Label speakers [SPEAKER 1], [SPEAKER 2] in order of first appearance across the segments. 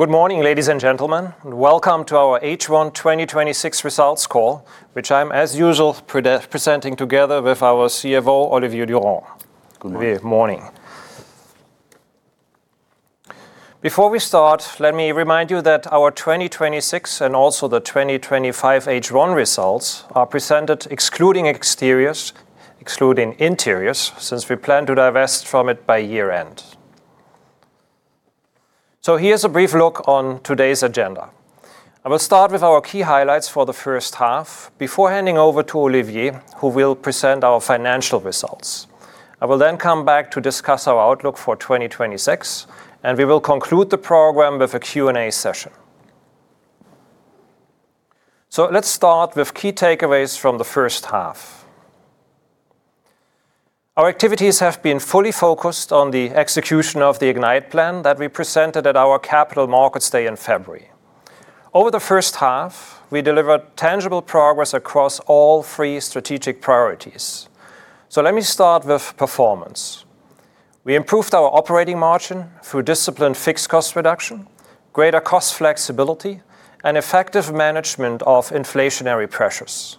[SPEAKER 1] Good morning, ladies and gentlemen. Welcome to our H1 2026 results call, which I'm, as usual, presenting together with our CFO, Olivier Durand. Good morning. Good morning. Before we start, let me remind you that our 2026 and also the 2025 H1 results are presented excluding exteriors, excluding interiors, since we plan to divest from it by year-end. Here's a brief look on today's agenda. I will start with our key highlights for the first half before handing over to Olivier, who will present our financial results. I will then come back to discuss our outlook for 2026, and we will conclude the program with a Q&A session. Let's start with key takeaways from the first half. Our activities have been fully focused on the execution of the IGNITE Plan that we presented at our capital markets day in February. Over the first half, we delivered tangible progress across all three strategic priorities. Let me start with performance. We improved our operating margin through disciplined fixed cost reduction, greater cost flexibility, and effective management of inflationary pressures.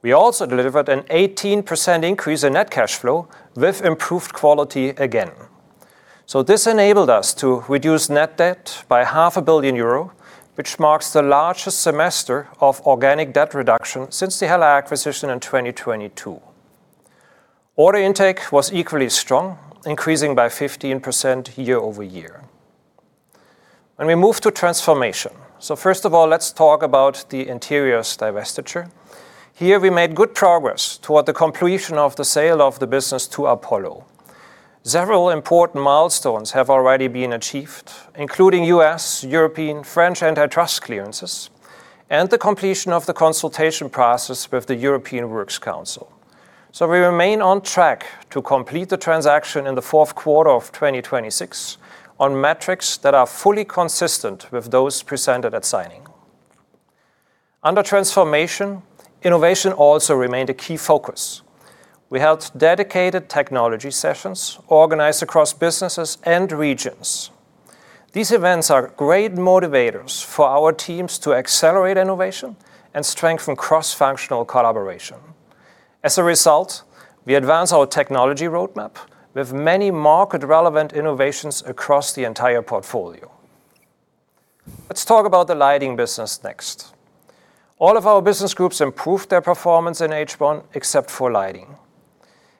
[SPEAKER 1] We also delivered an 18% increase in net cash flow with improved quality again. This enabled us to reduce net debt by 500 million euro, which marks the largest semester of organic debt reduction since the Hella acquisition in 2022. Order intake was equally strong, increasing by 15% year-over-year. When we move to transformation. First of all, let's talk about the Interiors divestiture. Here, we made good progress toward the completion of the sale of the business to Apollo. Several important milestones have already been achieved, including U.S., European, French antitrust clearances, and the completion of the consultation process with the European Works Council. We remain on track to complete the transaction in the fourth quarter of 2026 on metrics that are fully consistent with those presented at signing. Under transformation, innovation also remained a key focus. We held dedicated technology sessions organized across businesses and regions. These events are great motivators for our teams to accelerate innovation and strengthen cross-functional collaboration. As a result, we advance our technology roadmap with many market-relevant innovations across the entire portfolio. Let's talk about the Lighting business next. All of our business groups improved their performance in H1 except for Lighting.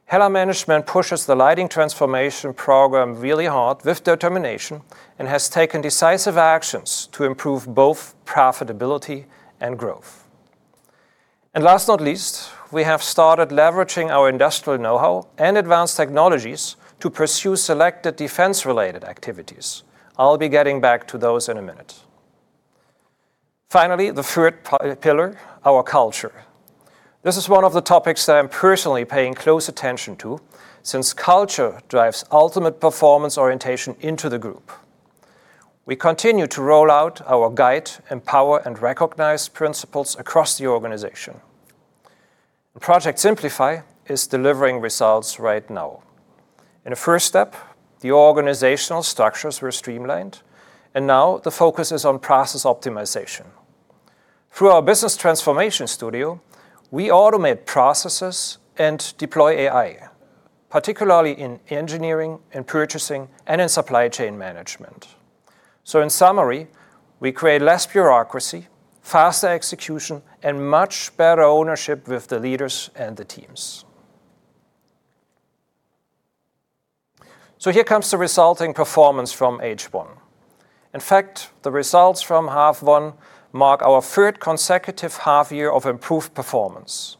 [SPEAKER 1] Hella management pushes the Lighting transformation program really hard with determination and has taken decisive actions to improve both profitability and growth. Last not least, we have started leveraging our industrial know-how and advanced technologies to pursue selected defense-related activities. I'll be getting back to those in a minute. Finally, the third pillar, our culture. This is one of the topics that I'm personally paying close attention to since culture drives ultimate performance orientation into the group. We continue to roll out our guide, empower, and recognize principles across the organization. Project SIMPLIFY is delivering results right now. In a first step, the organizational structures were streamlined, and now the focus is on process optimization. Through our business transformation studio, we automate processes and deploy AI, particularly in engineering and purchasing, and in supply chain management. In summary, we create less bureaucracy, faster execution, and much better ownership with the leaders and the teams. Here comes the resulting performance from H1. In fact, the results from half one mark our third consecutive half year of improved performance.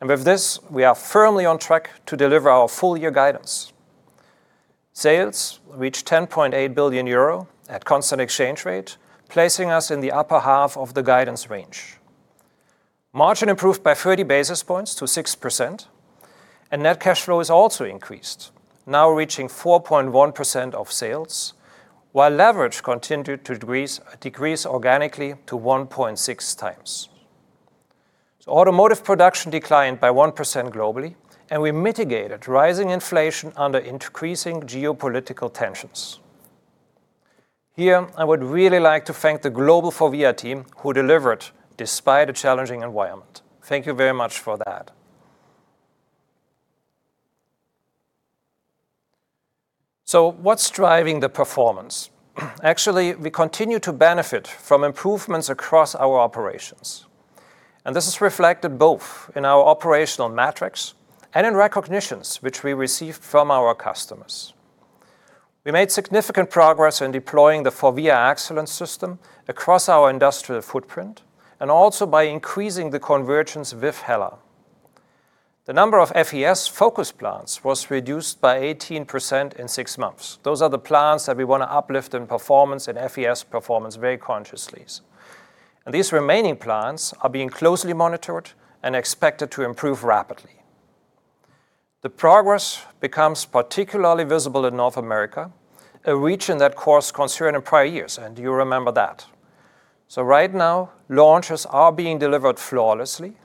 [SPEAKER 1] With this, we are firmly on track to deliver our full year guidance. Sales reached 10.8 billion euro at constant exchange rate, placing us in the upper half of the guidance range. Margin improved by 30 basis points to 6%, net cash flow is also increased, now reaching 4.1% of sales, while leverage continued to decrease organically to 1.6x. Automotive production declined by 1% globally, and we mitigated rising inflation under increasing geopolitical tensions. Here, I would really like to thank the global FORVIA team who delivered despite a challenging environment. Thank you very much for that. What's driving the performance? Actually, we continue to benefit from improvements across our operations, and this is reflected both in our operational metrics and in recognitions which we received from our customers. We made significant progress in deploying the FORVIA Excellence System across our industrial footprint and also by increasing the convergence with Hella. The number of FES focus plants was reduced by 18% in six months. Those are the plants that we want to uplift in performance, in FES performance very consciously. These remaining plants are being closely monitored and expected to improve rapidly. The progress becomes particularly visible in North America, a region that caused concern in prior years, and you remember that. Right now, launches are being delivered flawlessly,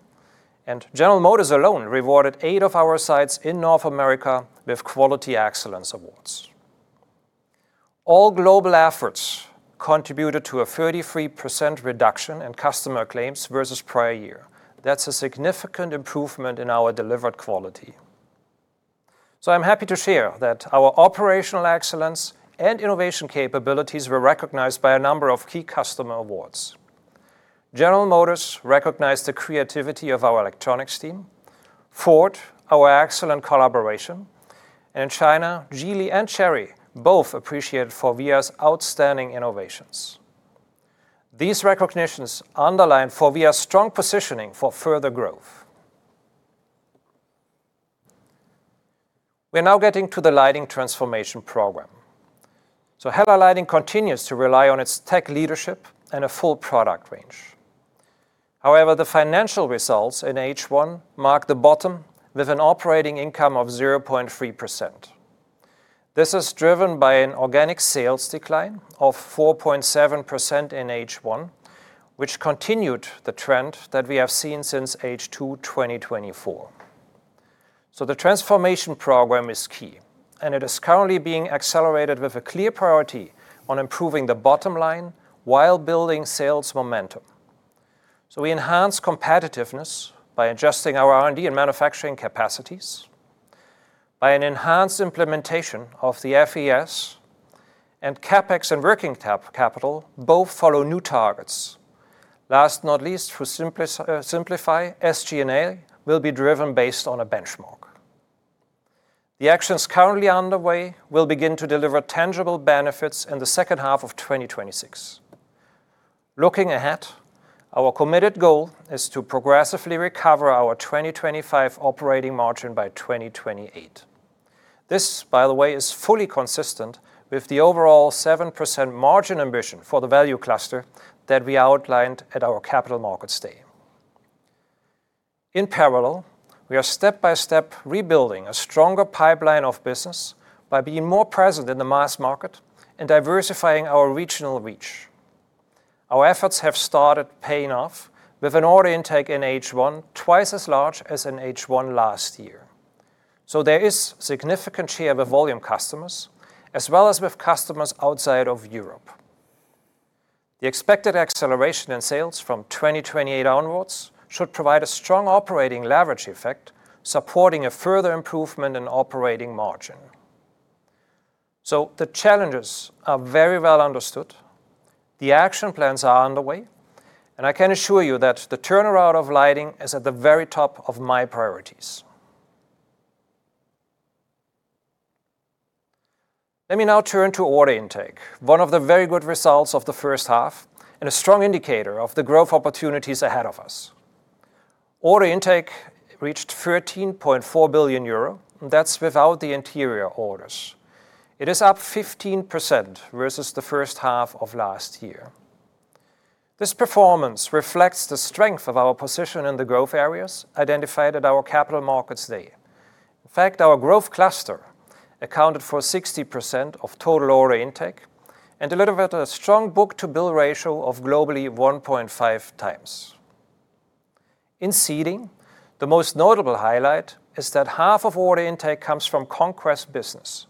[SPEAKER 1] and General Motors alone rewarded eight of our sites in North America with Quality Excellence Awards. All global efforts contributed to a 33% reduction in customer claims versus prior year. That's a significant improvement in our delivered quality. I'm happy to share that our operational excellence and innovation capabilities were recognized by a number of key customer awards. General Motors recognized the creativity of our electronics team, Ford, our excellent collaboration, and in China, Geely and Chery both appreciated FORVIA's outstanding innovations. These recognitions underline FORVIA's strong positioning for further growth. We are now getting to the lighting transformation program. Hella Lighting continues to rely on its tech leadership and a full product range. However, the financial results in H1 mark the bottom with an operating income of 0.3%. This is driven by an organic sales decline of 4.7% in H1, which continued the trend that we have seen since H2 2024. The transformation program is key, and it is currently being accelerated with a clear priority on improving the bottom line while building sales momentum. We enhance competitiveness by adjusting our R&D and manufacturing capacities by an enhanced implementation of the FES and CapEx and working capital both follow new targets. Last not least, through SIMPLIFY, SG&A will be driven based on a benchmark. The actions currently underway will begin to deliver tangible benefits in the second half of 2026. Looking ahead, our committed goal is to progressively recover our 2025 operating margin by 2028. This, by the way, is fully consistent with the overall 7% margin ambition for the value cluster that we outlined at our capital markets day. In parallel, we are step by step rebuilding a stronger pipeline of business by being more present in the mass market and diversifying our regional reach. Our efforts have started paying off with an order intake in H1 twice as large as in H1 last year. There is significant share with volume customers as well as with customers outside of Europe. The expected acceleration in sales from 2028 onwards should provide a strong operating leverage effect, supporting a further improvement in operating margin. The challenges are very well understood. The action plans are underway, and I can assure you that the turnaround of lighting is at the very top of my priorities. Let me now turn to order intake, one of the very good results of the first half and a strong indicator of the growth opportunities ahead of us. Order intake reached 13.4 billion euro. That's without the interior orders. It is up 15% versus the first half of last year. This performance reflects the strength of our position in the growth areas identified at our Capital Markets Day. In fact, our growth cluster accounted for 60% of total order intake and delivered a strong book-to-bill ratio of globally 1.5x. In seating, the most notable highlight is that half of order intake comes from conquest business.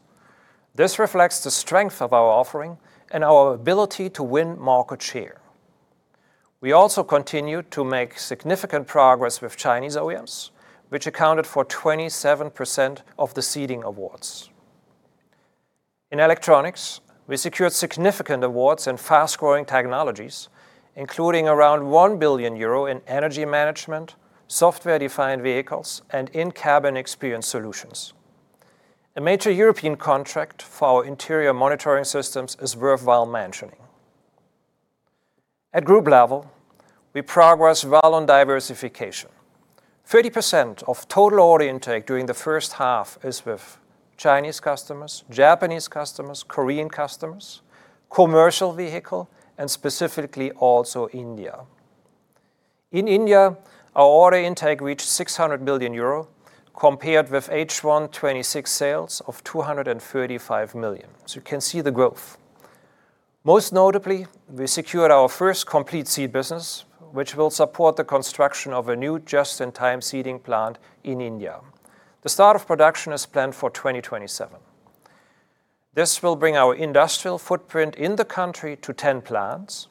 [SPEAKER 1] This reflects the strength of our offering and our ability to win market share. We also continue to make significant progress with Chinese OEMs, which accounted for 27% of the seating awards. In electronics, we secured significant awards in fast-growing technologies, including around 1 billion euro in energy management, software-defined vehicles, and in-cabin experience solutions. A major European contract for our interior monitoring systems is worthwhile mentioning. At group level, we progress well on diversification. 30% of total order intake during the first half is with Chinese customers, Japanese customers, Korean customers, commercial vehicle, and specifically also India. In India, our order intake reached 600 million euro compared with H1 2026 sales of 235 million. You can see the growth. Most notably, we secured our first complete seat business, which will support the construction of a new just-in-time seating plant in India. The start of production is planned for 2027. This will bring our industrial footprint in the country to 10 plants,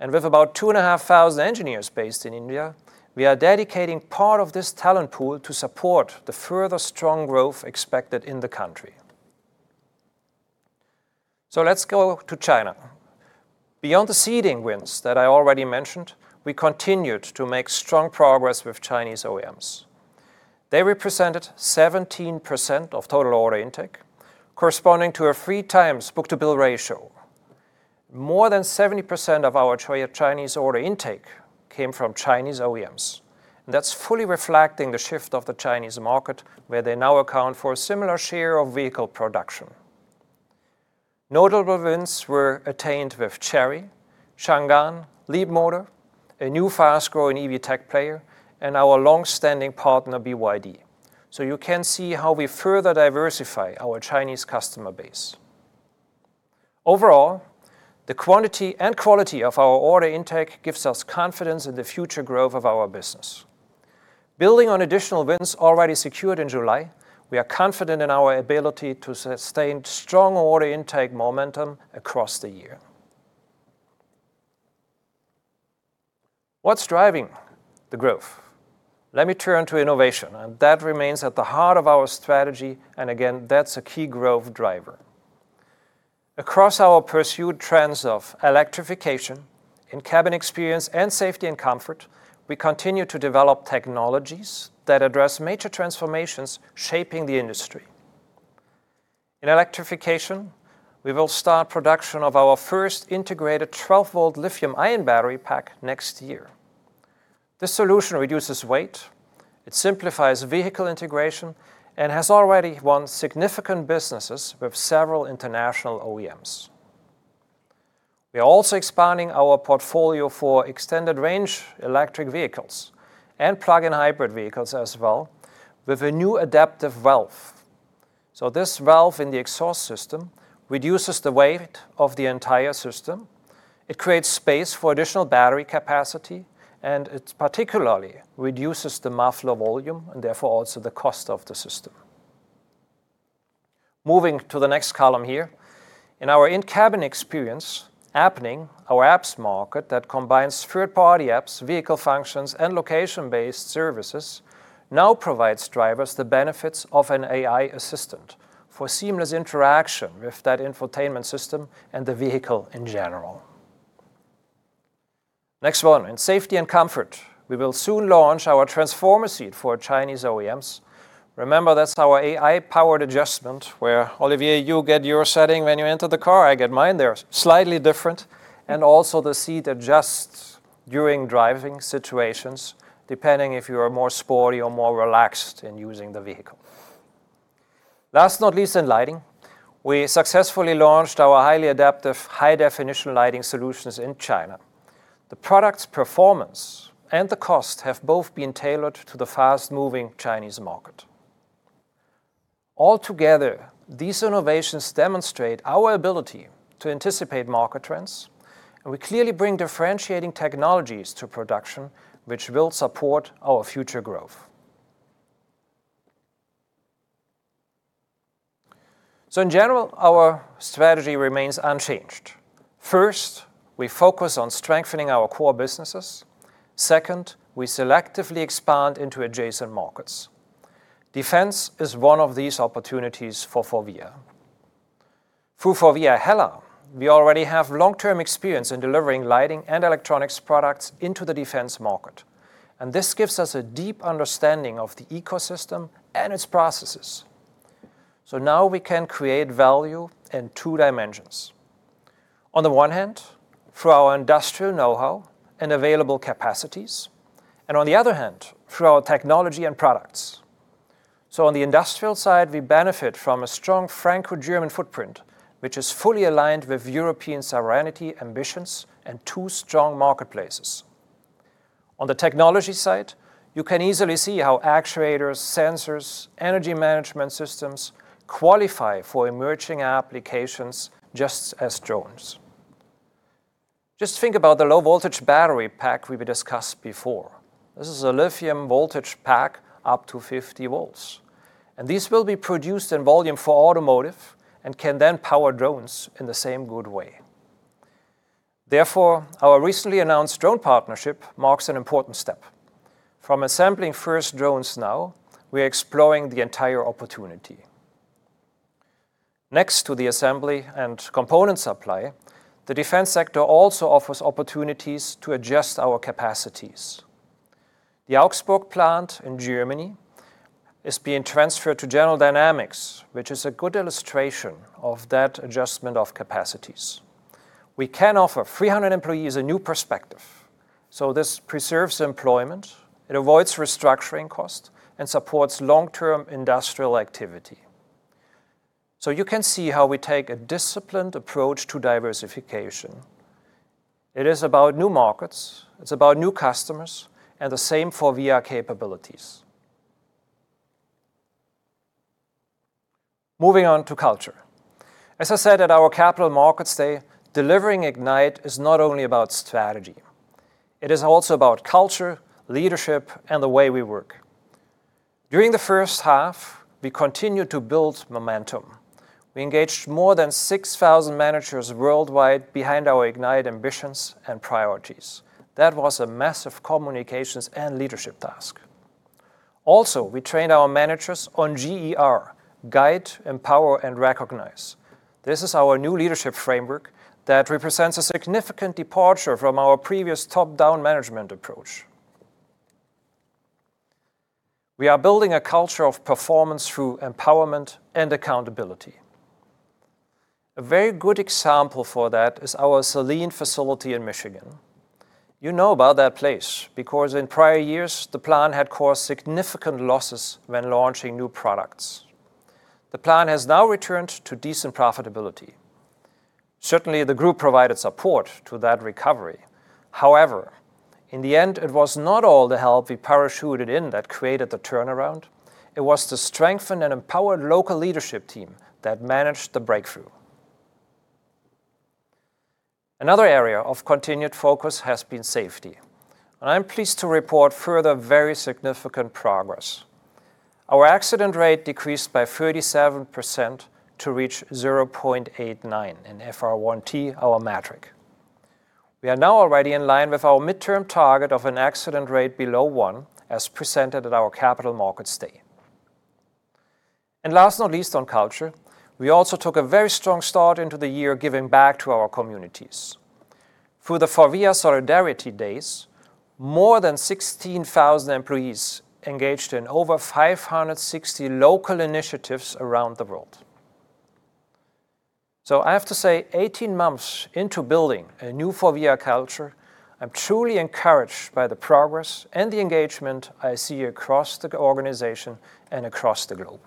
[SPEAKER 1] and with about 2,500 engineers based in India, we are dedicating part of this talent pool to support the further strong growth expected in the country. Let's go to China. Beyond the seating wins that I already mentioned, we continued to make strong progress with Chinese OEMs. They represented 17% of total order intake, corresponding to a 3x book-to-bill ratio. More than 70% of our Chinese order intake came from Chinese OEMs. That's fully reflecting the shift of the Chinese market, where they now account for a similar share of vehicle production. Notable wins were attained with Chery, Changan, Leapmotor, a new fast-growing EV tech player, and our long-standing partner, BYD. You can see how we further diversify our Chinese customer base. Overall, the quantity and quality of our order intake gives us confidence in the future growth of our business. Building on additional wins already secured in July, we are confident in our ability to sustain strong order intake momentum across the year. What's driving the growth? Let me turn to innovation, and that remains at the heart of our strategy, and again, that's a key growth driver. Across our pursued trends of electrification, in-cabin experience, and safety and comfort, we continue to develop technologies that address major transformations shaping the industry. In electrification, we will start production of our first integrated 12-V lithium-ion battery pack next year. This solution reduces weight, it simplifies vehicle integration, and has already won significant businesses with several international OEMs. We are also expanding our portfolio for extended range electric vehicles and plug-in hybrid vehicles as well, with a new adaptive valve. This valve in the exhaust system reduces the weight of the entire system, it creates space for additional battery capacity, and it particularly reduces the muffler volume and therefore also the cost of the system. Moving to the next column here. In our in-cabin experience, Appning, our apps market that combines third-party apps, vehicle functions, and location-based services, now provides drivers the benefits of an AI assistant for seamless interaction with that infotainment system and the vehicle in general. Next one. In safety and comfort, we will soon launch our transformer seat for Chinese OEMs. Remember, that's our AI-powered adjustment where, Olivier, you get your setting when you enter the car, I get mine. They're slightly different, and also the seat adjusts during driving situations, depending if you are more sporty or more relaxed in using the vehicle. Last not least, in lighting, we successfully launched our highly adaptive high-definition lighting solutions in China. The product's performance and the cost have both been tailored to the fast-moving Chinese market. Altogether, these innovations demonstrate our ability to anticipate market trends. We clearly bring differentiating technologies to production, which will support our future growth. In general, our strategy remains unchanged. First, we focus on strengthening our core businesses. Second, we selectively expand into adjacent markets. Defense is one of these opportunities for FORVIA. Through FORVIA HELLA, we already have long-term experience in delivering lighting and electronics products into the defense market. This gives us a deep understanding of the ecosystem and its processes. Now we can create value in two dimensions. On the one hand, through our industrial know-how and available capacities. On the other hand, through our technology and products. On the industrial side, we benefit from a strong Franco-German footprint, which is fully aligned with European sovereignty ambitions and two strong marketplaces. On the technology side, you can easily see how actuators, sensors, energy management systems qualify for emerging applications just as drones. Just think about the low-voltage battery pack we discussed before. This is a lithium voltage pack up to 50 V, and these will be produced in volume for automotive and can then power drones in the same good way. Therefore, our recently announced drone partnership marks an important step. From assembling first drones now, we are exploring the entire opportunity. Next to the assembly and component supply, the defense sector also offers opportunities to adjust our capacities. The Augsburg plant in Germany is being transferred to General Dynamics, which is a good illustration of that adjustment of capacities. We can offer 300 employees a new perspective, this preserves employment, it avoids restructuring costs, and supports long-term industrial activity. You can see how we take a disciplined approach to diversification. It is about new markets, it's about new customers, and the same FORVIA capabilities. Moving on to culture. As I said at our Capital Markets Day, delivering IGNITE is not only about strategy. It is also about culture, leadership, and the way we work. During the first half, we continued to build momentum. We engaged more than 6,000 managers worldwide behind our IGNITE ambitions and priorities. That was a massive communications and leadership task. Also, we trained our managers on GER: Guide, Empower, and Recognize. This is our new leadership framework that represents a significant departure from our previous top-down management approach. We are building a culture of performance through empowerment and accountability. A very good example for that is our Saline facility in Michigan. You know about that place, because in prior years, the plant had caused significant losses when launching new products. The plant has now returned to decent profitability. Certainly, the group provided support to that recovery. However, in the end, it was not all the help we parachuted in that created the turnaround. It was the strengthened and empowered local leadership team that managed the breakthrough. Another area of continued focus has been safety. I'm pleased to report further very significant progress. Our accident rate decreased by 37% to reach 0.89 in FR1T, our metric. We are now already in line with our midterm target of an accident rate below one, as presented at our Capital Markets Day. Last not least on culture, we also took a very strong start into the year giving back to our communities. Through the FORVIA Solidarity Days, more than 16,000 employees engaged in over 560 local initiatives around the world. I have to say, 18 months into building a new FORVIA culture, I'm truly encouraged by the progress and the engagement I see across the organization and across the globe.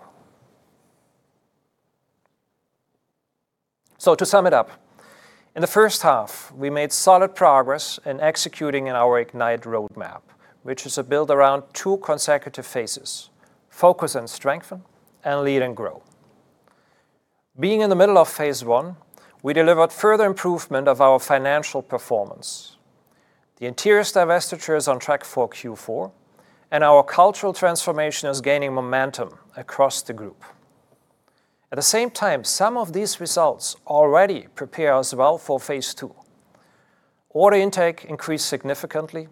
[SPEAKER 1] To sum it up, in the first half, we made solid progress in executing in our IGNITE roadmap, which is built around two consecutive phases, focus and strengthen, and lead and grow. Being in the middle of phase 1, we delivered further improvement of our financial performance. The Interiors divestiture is on track for Q4, and our cultural transformation is gaining momentum across the group. At the same time, some of these results already prepare us well for phase 2. Order intake increased significantly,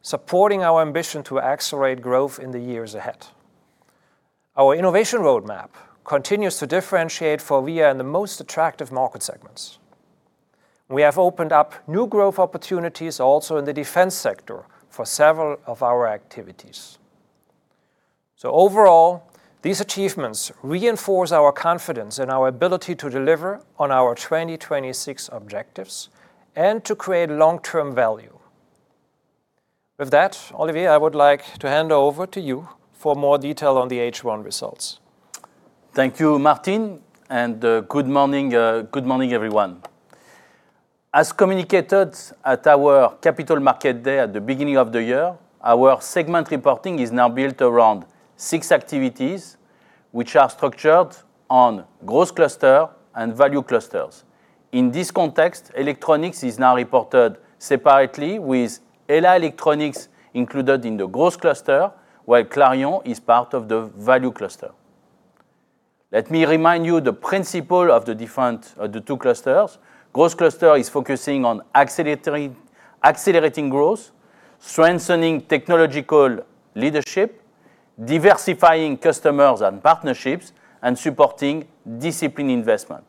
[SPEAKER 1] supporting our ambition to accelerate growth in the years ahead. Our innovation roadmap continues to differentiate FORVIA in the most attractive market segments. We have opened up new growth opportunities also in the defense sector for several of our activities. Overall, these achievements reinforce our confidence in our ability to deliver on our 2026 objectives and to create long-term value. With that, Olivier, I would like to hand over to you for more detail on the H1 results.
[SPEAKER 2] Thank you, Martin, good morning. Good morning, everyone. As communicated at our Capital Markets Day at the beginning of the year, our segment reporting is now built around six activities, which are structured on Growth Cluster and Value Cluster. In this context, electronics is now reported separately with HELLA Electronics included in the Growth Cluster, while Clarion is part of the Value Cluster. Let me remind you the principle of the two clusters. Growth Cluster is focusing on accelerating growth, strengthening technological leadership, diversifying customers and partnerships, and supporting disciplined investment.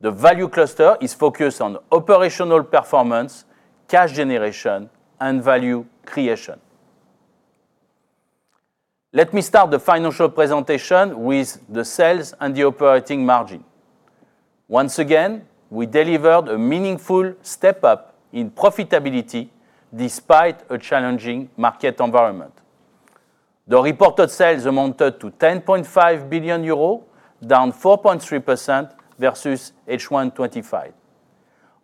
[SPEAKER 2] The Value Cluster is focused on operational performance, cash generation, and value creation. Let me start the financial presentation with the sales and the operating margin. Once again, we delivered a meaningful step-up in profitability despite a challenging market environment. The reported sales amounted to 10.5 billion euros, down 4.3% versus H1 2025.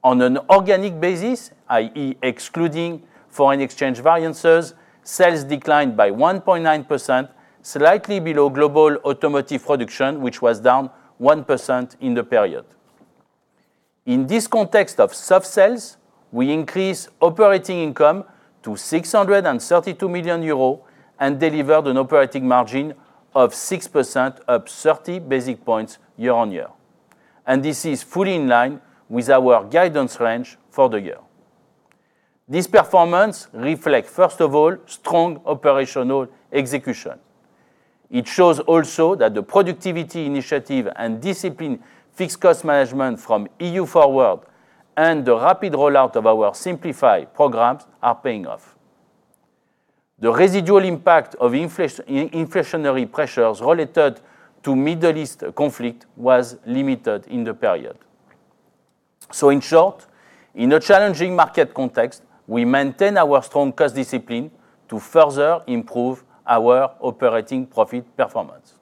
[SPEAKER 2] On an organic basis, i.e., excluding foreign exchange variances, sales declined by 1.9%, slightly below global automotive production, which was down 1% in the period. In this context of soft sales, we increased operating income to 632 million euros and delivered an operating margin of 6%, up 30 basic points year on year. This is fully in line with our guidance range for the year. This performance reflects, first of all, strong operational execution. It shows also that the productivity initiative and disciplined fixed cost management from EU-FORWARD and the rapid rollout of our SIMPLIFY programs are paying off. The residual impact of inflationary pressures related to Middle East conflict was limited in the period. In short, in a challenging market context, we maintain our strong cost discipline to further improve our operating profit performance.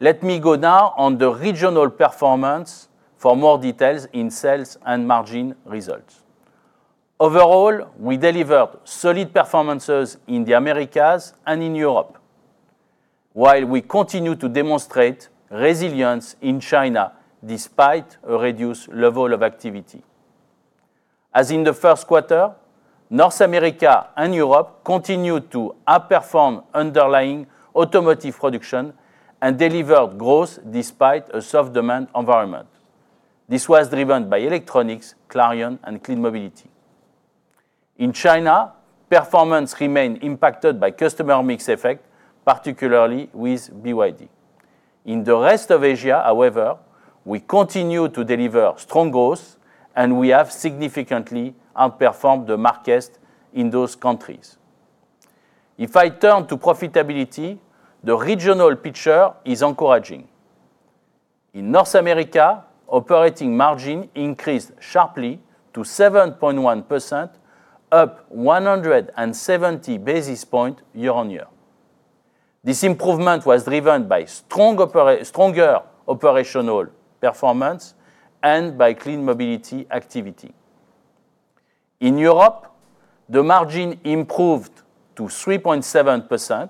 [SPEAKER 2] Let me go now on the regional performance for more details in sales and margin results. Overall, we delivered solid performances in the Americas and in Europe, while we continue to demonstrate resilience in China despite a reduced level of activity. As in the first quarter, North America and Europe continued to outperform underlying automotive production and delivered growth despite a soft demand environment. This was driven by electronics, Clarion, and Clean Mobility. In China, performance remained impacted by customer mix effect, particularly with BYD. In the rest of Asia, however, we continue to deliver strong growth, and we have significantly outperformed the markets in those countries. If I turn to profitability, the regional picture is encouraging. In North America, operating margin increased sharply to 7.1%, up 170 basis points year on year. This improvement was driven by stronger operational performance and by Clean Mobility activity. In Europe, the margin improved to 3.7%.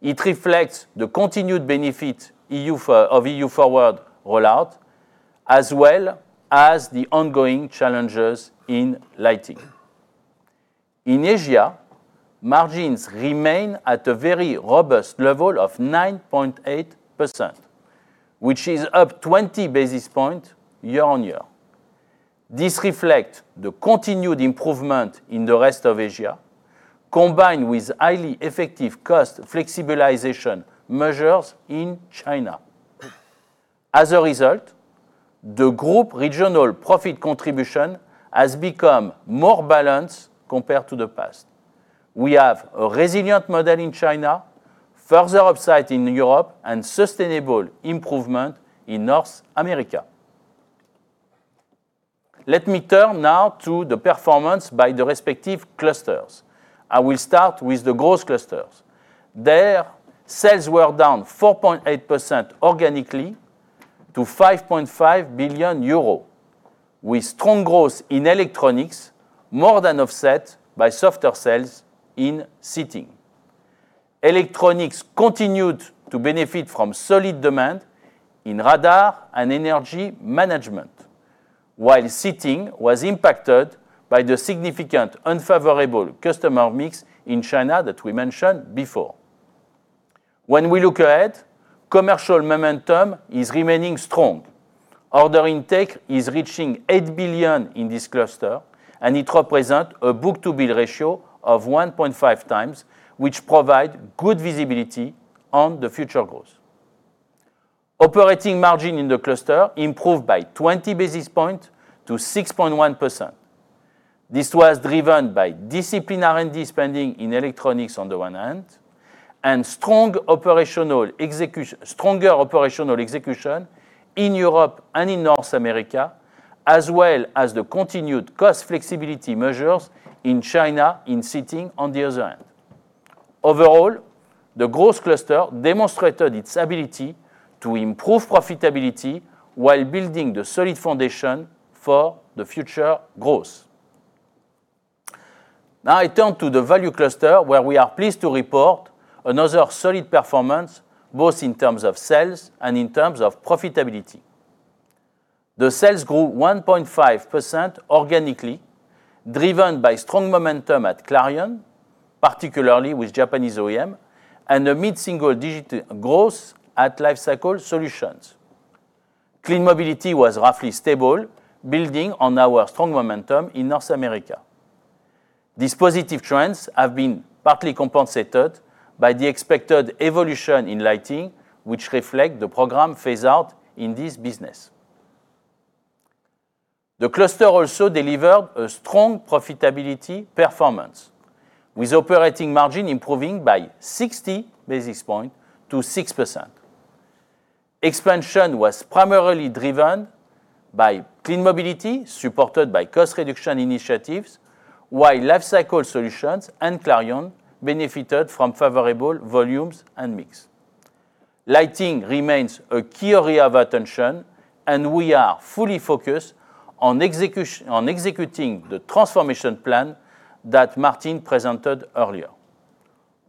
[SPEAKER 2] It reflects the continued benefit of EU-FORWARD rollout, as well as the ongoing challenges in Lighting. In Asia, margins remain at a very robust level of 9.8%, which is up 20 basis points year on year. This reflects the continued improvement in the rest of Asia, combined with highly effective cost flexibilization measures in China. As a result, the group regional profit contribution has become more balanced compared to the past. We have a resilient model in China, further upside in Europe, and sustainable improvement in North America. Let me turn now to the performance by the respective clusters. I will start with the growth clusters. There, sales were down 4.8% organically to 5.5 billion euros, with strong growth in electronics more than offset by softer sales in seating. Electronics continued to benefit from solid demand in radar and energy management, while seating was impacted by the significant unfavorable customer mix in China that we mentioned before. When we look ahead, commercial momentum is remaining strong. Order intake is reaching 8 billion in this cluster, and it represents a book-to-bill ratio of 1.5x, which provide good visibility on the future growth. Operating margin in the cluster improved by 20 basis points to 6.1%. This was driven by disciplined R&D spending in electronics on the one hand, and stronger operational execution in Europe and in North America, as well as the continued cost flexibility measures in China in seating on the other hand. Overall, the growth cluster demonstrated its ability to improve profitability while building the solid foundation for the future growth. Now I turn to the value cluster, where we are pleased to report another solid performance, both in terms of sales and in terms of profitability. The sales grew 1.5% organically, driven by strong momentum at Clarion, particularly with Japanese OEM, and a mid-single-digit growth at Lifecycle Solutions. Clean Mobility was roughly stable, building on our strong momentum in North America. These positive trends have been partly compensated by the expected evolution in lighting, which reflect the program phase-out in this business. The cluster also delivered a strong profitability performance, with operating margin improving by 60 basis points to 6%. Expansion was primarily driven by Clean Mobility, supported by cost reduction initiatives, while Lifecycle Solutions and Clarion benefited from favorable volumes and mix. Lighting remains a key area of attention, and we are fully focused on executing the transformation plan that Martin presented earlier.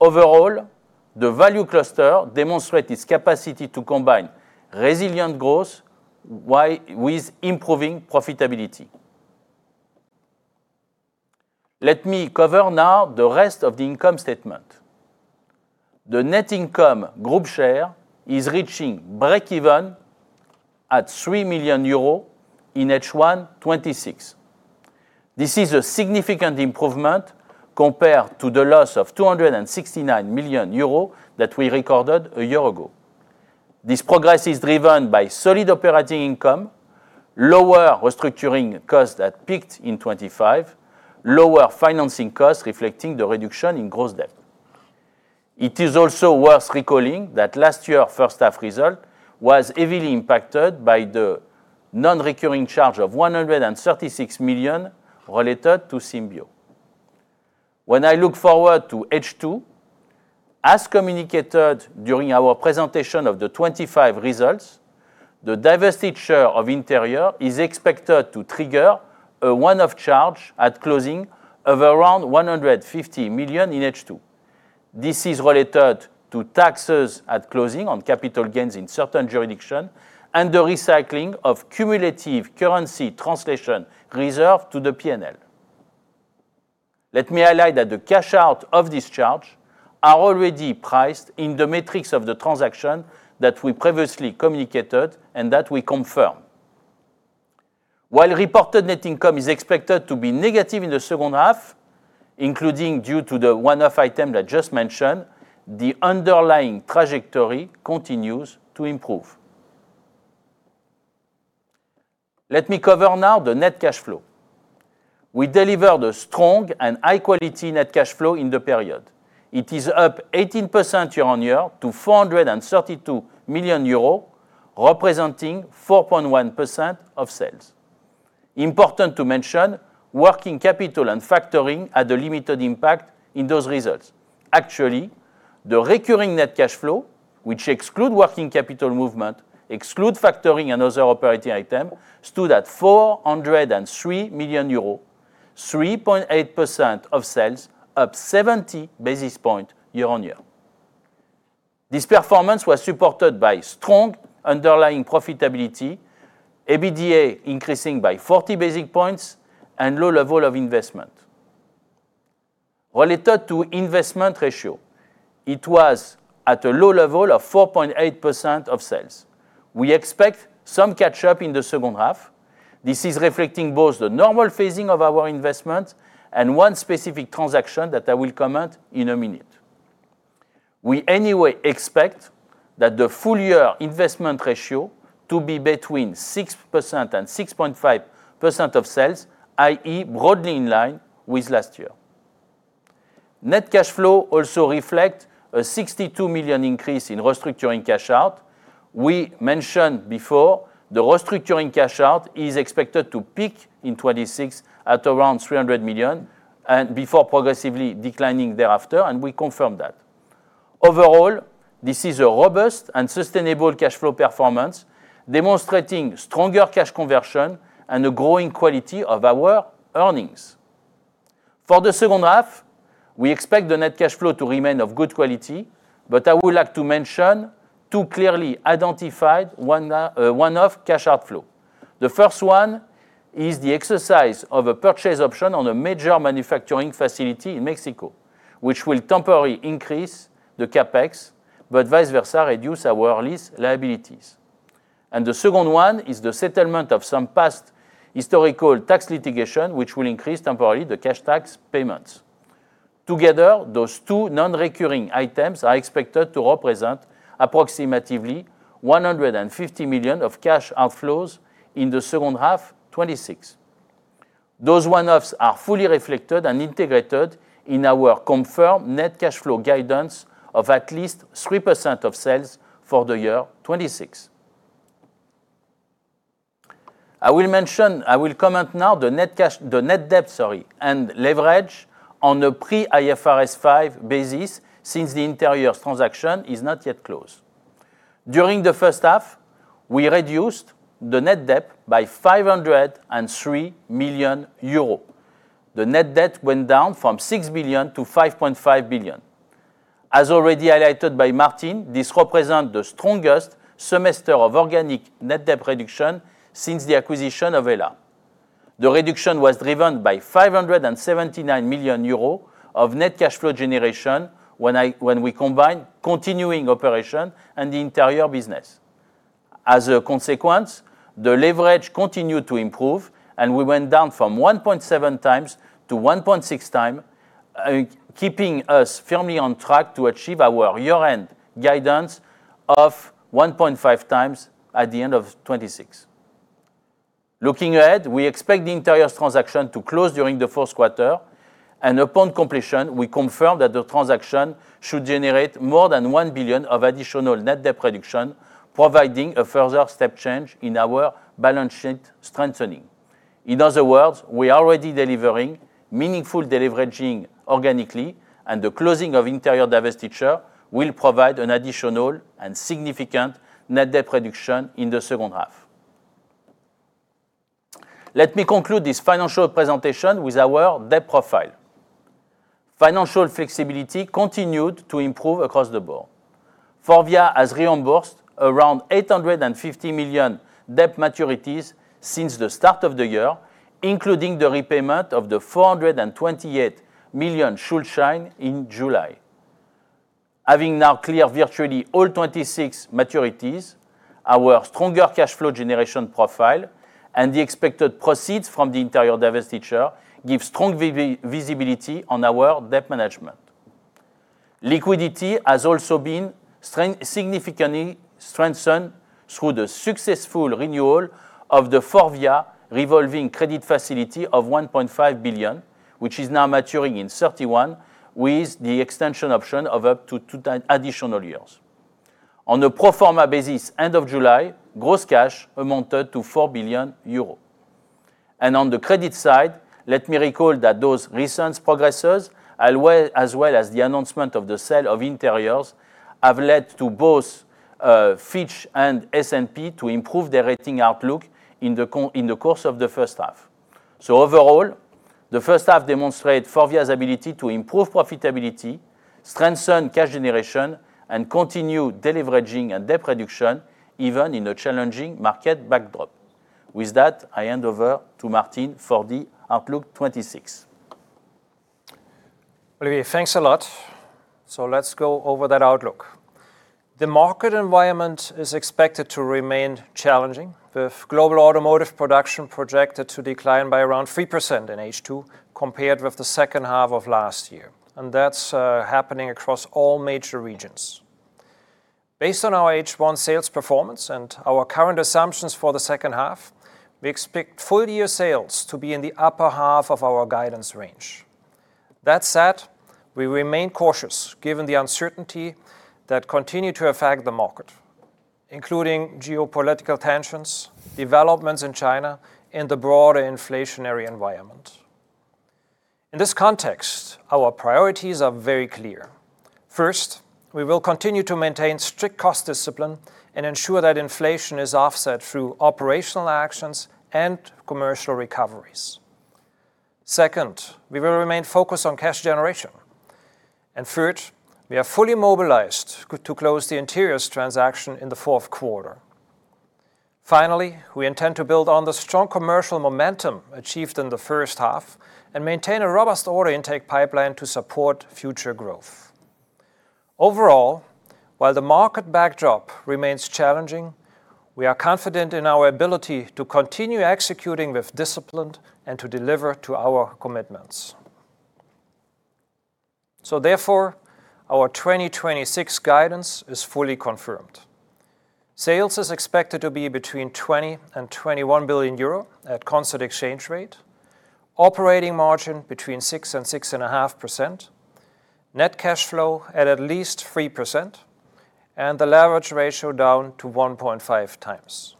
[SPEAKER 2] Let me cover now the rest of the income statement. The net income group share is reaching breakeven at EUR 3 million in H1 2026. This is a significant improvement compared to the loss of 269 million euros that we recorded a year ago. This progress is driven by solid operating income, lower restructuring costs that peaked in 2025, lower financing costs reflecting the reduction in gross debt. It is also worth recalling that last year, first half result was heavily impacted by the non-recurring charge of 136 million related to Symbio. When I look forward to H2, as communicated during our presentation of the 2025 results, the divestiture of Interiors is expected to trigger a one-off charge at closing of around 150 million in H2. This is related to taxes at closing on capital gains in certain jurisdiction and the recycling of cumulative currency translation reserve to the P&L. Let me highlight that the cash-out of this charge are already priced in the metrics of the transaction that we previously communicated and that we confirm. While reported net income is expected to be negative in the second half, including due to the one-off item that I just mentioned, the underlying trajectory continues to improve. Let me cover now the net cash flow. We delivered a strong and high-quality net cash flow in the period. It is up 18% year-on-year to 432 million euros, representing 4.1% of sales. Important to mention, working capital and factoring had a limited impact in those results. Actually, the recurring net cash flow, which exclude working capital movement, exclude factoring and other operating item, stood at 403 million euros, 3.8% of sales, up 70 basis points year-on-year. This performance was supported by strong underlying profitability, EBITDA increasing by 40 basis points, and low level of investment. Related to investment ratio, it was at a low level of 4.8% of sales. We expect some catch up in the second half. This is reflecting both the normal phasing of our investment and one specific transaction that I will comment in a minute. We anyway expect that the full-year investment ratio to be between 6%-6.5% of sales, i.e., broadly in line with last year. Net cash flow also reflect a 62 million increase in restructuring cash out. We mentioned before the restructuring cash out is expected to peak in 2026 at around 300 million before progressively declining thereafter, and we confirm that. Overall, this is a robust and sustainable cash flow performance, demonstrating stronger cash conversion and a growing quality of our earnings. For the second half, we expect the net cash flow to remain of good quality, but I would like to mention two clearly identified one-off cash outflow. The first one is the exercise of a purchase option on a major manufacturing facility in Mexico, which will temporarily increase the CapEx, but vice versa, reduce our lease liabilities. The second one is the settlement of some past historical tax litigation, which will increase temporarily the cash tax payments. Together, those two non-recurring items are expected to represent approximately 150 million of cash outflows in the second half 2026. Those one-offs are fully reflected and integrated in our confirmed net cash flow guidance of at least 3% of sales for the year 2026. I will comment now the net debt, sorry, and leverage on a pre-IFRS 5 basis since the Interior transaction is not yet closed. During the first half, we reduced the net debt by 503 million euros. The net debt went down from 6 billion-5.5 billion. As already highlighted by Martin, this represent the strongest semester of organic net debt reduction since the acquisition of Hella. The reduction was driven by 579 million euros of net cash flow generation when we combine continuing operation and the Interior business. A consequence, the leverage continued to improve, we went down from 1.7x to 1.6x, keeping us firmly on track to achieve our year-end guidance of 1.5x at the end of 2026. Looking ahead, we expect the Interiors transaction to close during the fourth quarter. Upon completion, we confirm that the transaction should generate more than 1 billion of additional net debt reduction, providing a further step change in our balance sheet strengthening. In other words, we are already delivering meaningful deleveraging organically, and the closing of Interior divestiture will provide an additional and significant net debt reduction in the second half. Let me conclude this financial presentation with our debt profile. Financial flexibility continued to improve across the board. FORVIA has reimbursed around 850 million debt maturities since the start of the year, including the repayment of the 428 million Schuldschein in July. Having now cleared virtually all 2026 maturities, our stronger cash flow generation profile and the expected proceeds from the Interior divestiture give strong visibility on our debt management. Liquidity has also been significantly strengthened through the successful renewal of the FORVIA revolving credit facility of 1.5 billion, which is now maturing in 2031, with the extension option of up to two additional years. On a pro forma basis, end of July, gross cash amounted to 4 billion euros. On the credit side, let me recall that those recent progresses, as well as the announcement of the sale of Interiors, have led to both Fitch and S&P to improve their rating outlook in the course of the first half. Overall, the first half demonstrate FORVIA's ability to improve profitability, strengthen cash generation, and continue deleveraging and debt reduction even in a challenging market backdrop. With that, I hand over to Martin for the Outlook 2026.
[SPEAKER 1] Olivier, thanks a lot. Let's go over that outlook. The market environment is expected to remain challenging, with global automotive production projected to decline by around 3% in H2 compared with the second half of last year. That's happening across all major regions. Based on our H1 sales performance and our current assumptions for the second half, we expect full-year sales to be in the upper half of our guidance range. That said, we remain cautious given the uncertainty that continue to affect the market, including geopolitical tensions, developments in China, and the broader inflationary environment. In this context, our priorities are very clear. First, we will continue to maintain strict cost discipline and ensure that inflation is offset through operational actions and commercial recoveries. Second, we will remain focused on cash generation. Third, we are fully mobilized to close the Interiors transaction in the fourth quarter. Finally, we intend to build on the strong commercial momentum achieved in the first half and maintain a robust order intake pipeline to support future growth. Overall, while the market backdrop remains challenging, we are confident in our ability to continue executing with discipline and to deliver to our commitments. Therefore, our 2026 guidance is fully confirmed. Sales is expected to be between 20 billion and 21 billion euro at constant exchange rate. Operating margin between 6% and 6.5%. Net cash flow at least 3%, and the leverage ratio down to 1.5x.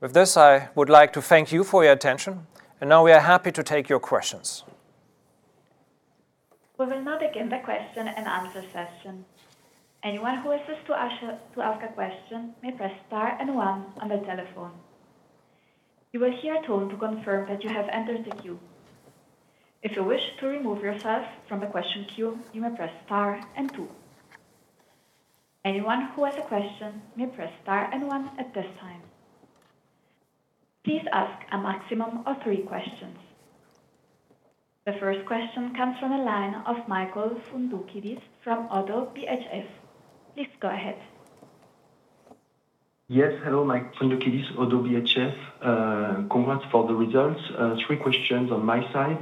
[SPEAKER 1] With this, I would like to thank you for your attention, now we are happy to take your questions.
[SPEAKER 3] We will now begin the question and answer session. Anyone who wishes to ask a question may press star and one on their telephone. You will hear a tone to confirm that you have entered the queue. If you wish to remove yourself from the question queue, you may press star and two. Anyone who has a question may press star and one at this time. Please ask a maximum of three questions. The first question comes from the line of Michael Foundoukidis from ODDO BHF. Please go ahead.
[SPEAKER 4] Hello, Mike Foundoukidis, ODDO BHF. Congrats for the results. Three questions on my side.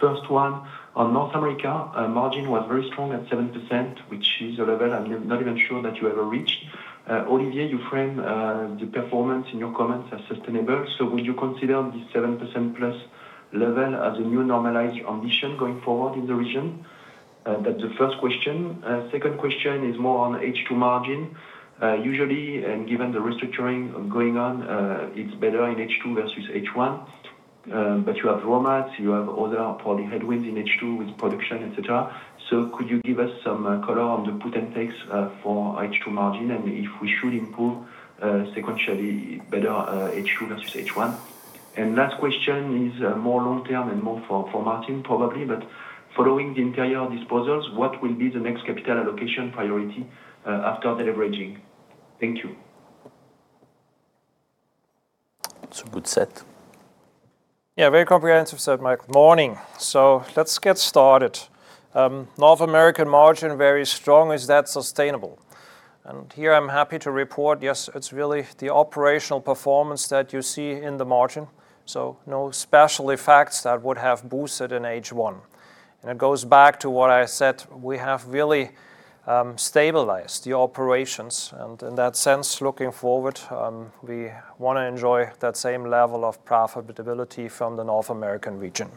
[SPEAKER 4] First one on North America. Margin was very strong at 7%, which is a level I'm not even sure that you ever reached. Olivier, you frame the performance in your comments as sustainable. Would you consider this 7%+ level as a new normalized ambition going forward in the region? That's the first question. Second question is more on H2 margin. Usually, and given the restructuring going on, it's better in H2 versus H1. You have raw mats, you have other probably headwinds in H2 with production, et cetera. Could you give us some color on the put and takes for H2 margin, and if we should improve sequentially better H2 versus H1? Last question is more long term and more for Martin probably, following the Interior disposals, what will be the next capital allocation priority after the leveraging? Thank you.
[SPEAKER 1] It's a good set. Very comprehensive set, Mike. Morning. Let's get started. North American margin very strong. Is that sustainable? Here I'm happy to report, yes, it's really the operational performance that you see in the margin. No special effects that would have boosted in H1. It goes back to what I said. We have really stabilized the operations, and in that sense, looking forward, we want to enjoy that same level of profitability from the North American region.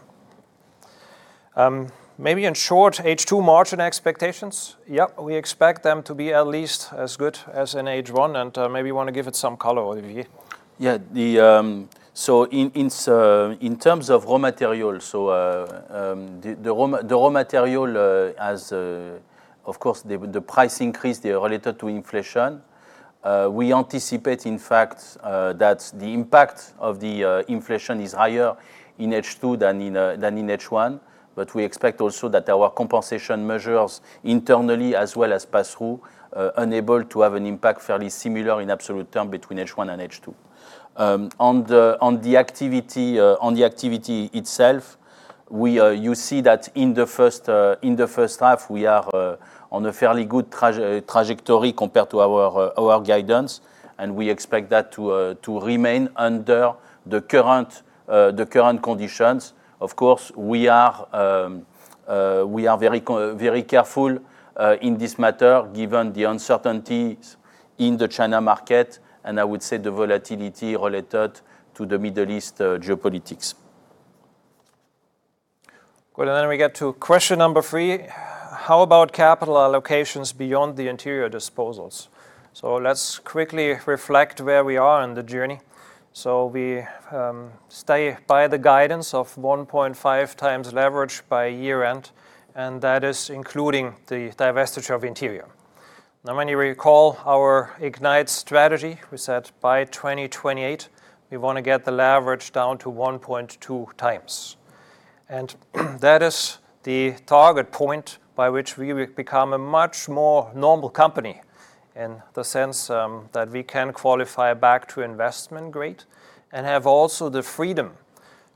[SPEAKER 1] Maybe in short H2 margin expectations. We expect them to be at least as good as in H1, and maybe you want to give it some color, Olivier.
[SPEAKER 2] In terms of raw material, the raw material, of course, the price increase, they are related to inflation. We anticipate, in fact, that the impact of the inflation is higher in H2 than in H1. We expect also that our compensation measures internally as well as pass-through unable to have an impact fairly similar in absolute term between H1 and H2. On the activity itself, you see that in the first half, we are on a fairly good trajectory compared to our guidance, and we expect that to remain under the current conditions. Of course, we are very careful in this matter given the uncertainties in the China market and I would say the volatility related to the Middle East geopolitics.
[SPEAKER 1] Good. We get to question number three. How about capital allocations beyond the Interior disposals? Let's quickly reflect where we are in the journey. We stay by the guidance of 1.5x leverage by year-end, and that is including the divestiture of Interior. When you recall our IGNITE strategy, we said by 2028, we want to get the leverage down to 1.2x. That is the target point by which we will become a much more normal company in the sense that we can qualify back to investment grade and have also the freedom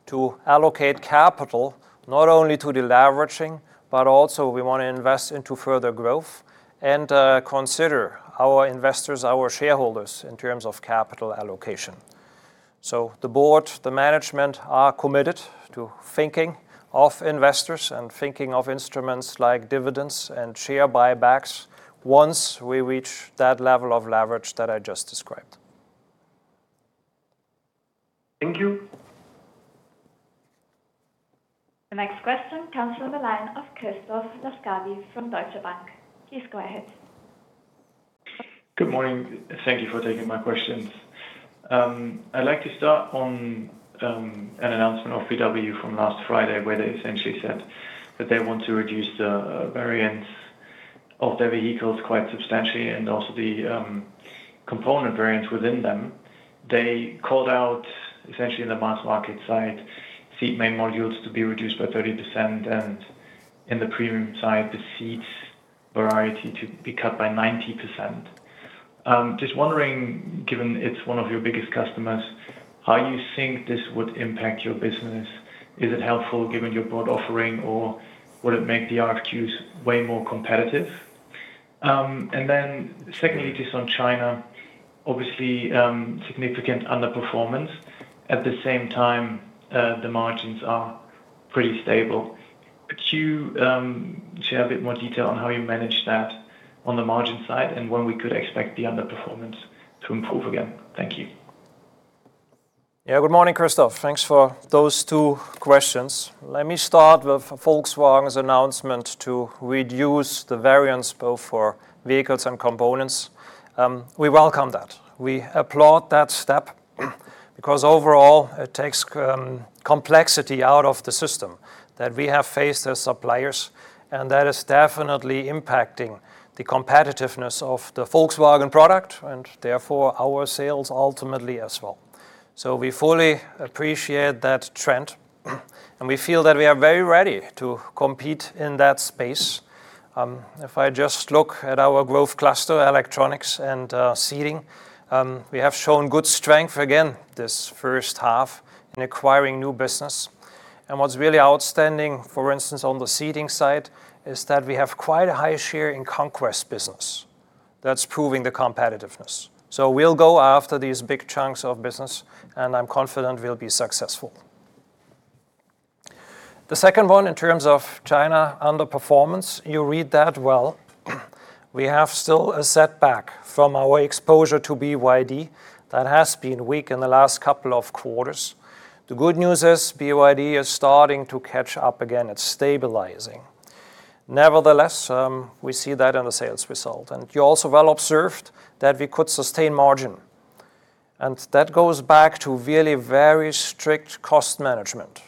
[SPEAKER 1] to allocate capital not only to deleveraging, but also we want to invest into further growth and consider our investors, our shareholders in terms of capital allocation. The board, the management are committed to thinking of investors and thinking of instruments like dividends and share buybacks once we reach that level of leverage that I just described. Thank you.
[SPEAKER 3] The next question comes from the line of Christoph Laskawi from Deutsche Bank. Please go ahead.
[SPEAKER 5] Good morning. Thank you for taking my questions. I'd like to start on an announcement of VW from last Friday, where they essentially said that they want to reduce the variants of their vehicles quite substantially and also the component variants within them. They called out, essentially in the mass market side, seat main modules to be reduced by 30%, and in the premium side, the seat variety to be cut by 90%. Just wondering, given it's one of your biggest customers, how you think this would impact your business. Is it helpful given your broad offering, or would it make the RFQs way more competitive? Then secondly, just on China, obviously, significant underperformance. At the same time, the margins are pretty stable. Could you share a bit more detail on how you manage that on the margin side and when we could expect the underperformance to improve again? Thank you.
[SPEAKER 1] Good morning, Christoph. Thanks for those two questions. Let me start with Volkswagen's announcement to reduce the variants both for vehicles and components. We welcome that. We applaud that step because overall, it takes complexity out of the system that we have faced as suppliers, and that is definitely impacting the competitiveness of the Volkswagen product and therefore our sales ultimately as well. We fully appreciate that trend, and we feel that we are very ready to compete in that space. If I just look at our growth cluster, electronics and seating, we have shown good strength again this first half in acquiring new business. What's really outstanding, for instance, on the seating side, is that we have quite a high share in conquest business that's proving the competitiveness. We'll go after these big chunks of business, and I'm confident we'll be successful. The second one, in terms of China underperformance, you read that well. We have still a setback from our exposure to BYD that has been weak in the last couple of quarters. The good news is BYD is starting to catch up again. It's stabilizing. Nevertheless, we see that in the sales result, and you also well observed that we could sustain margin. That goes back to really very strict cost management,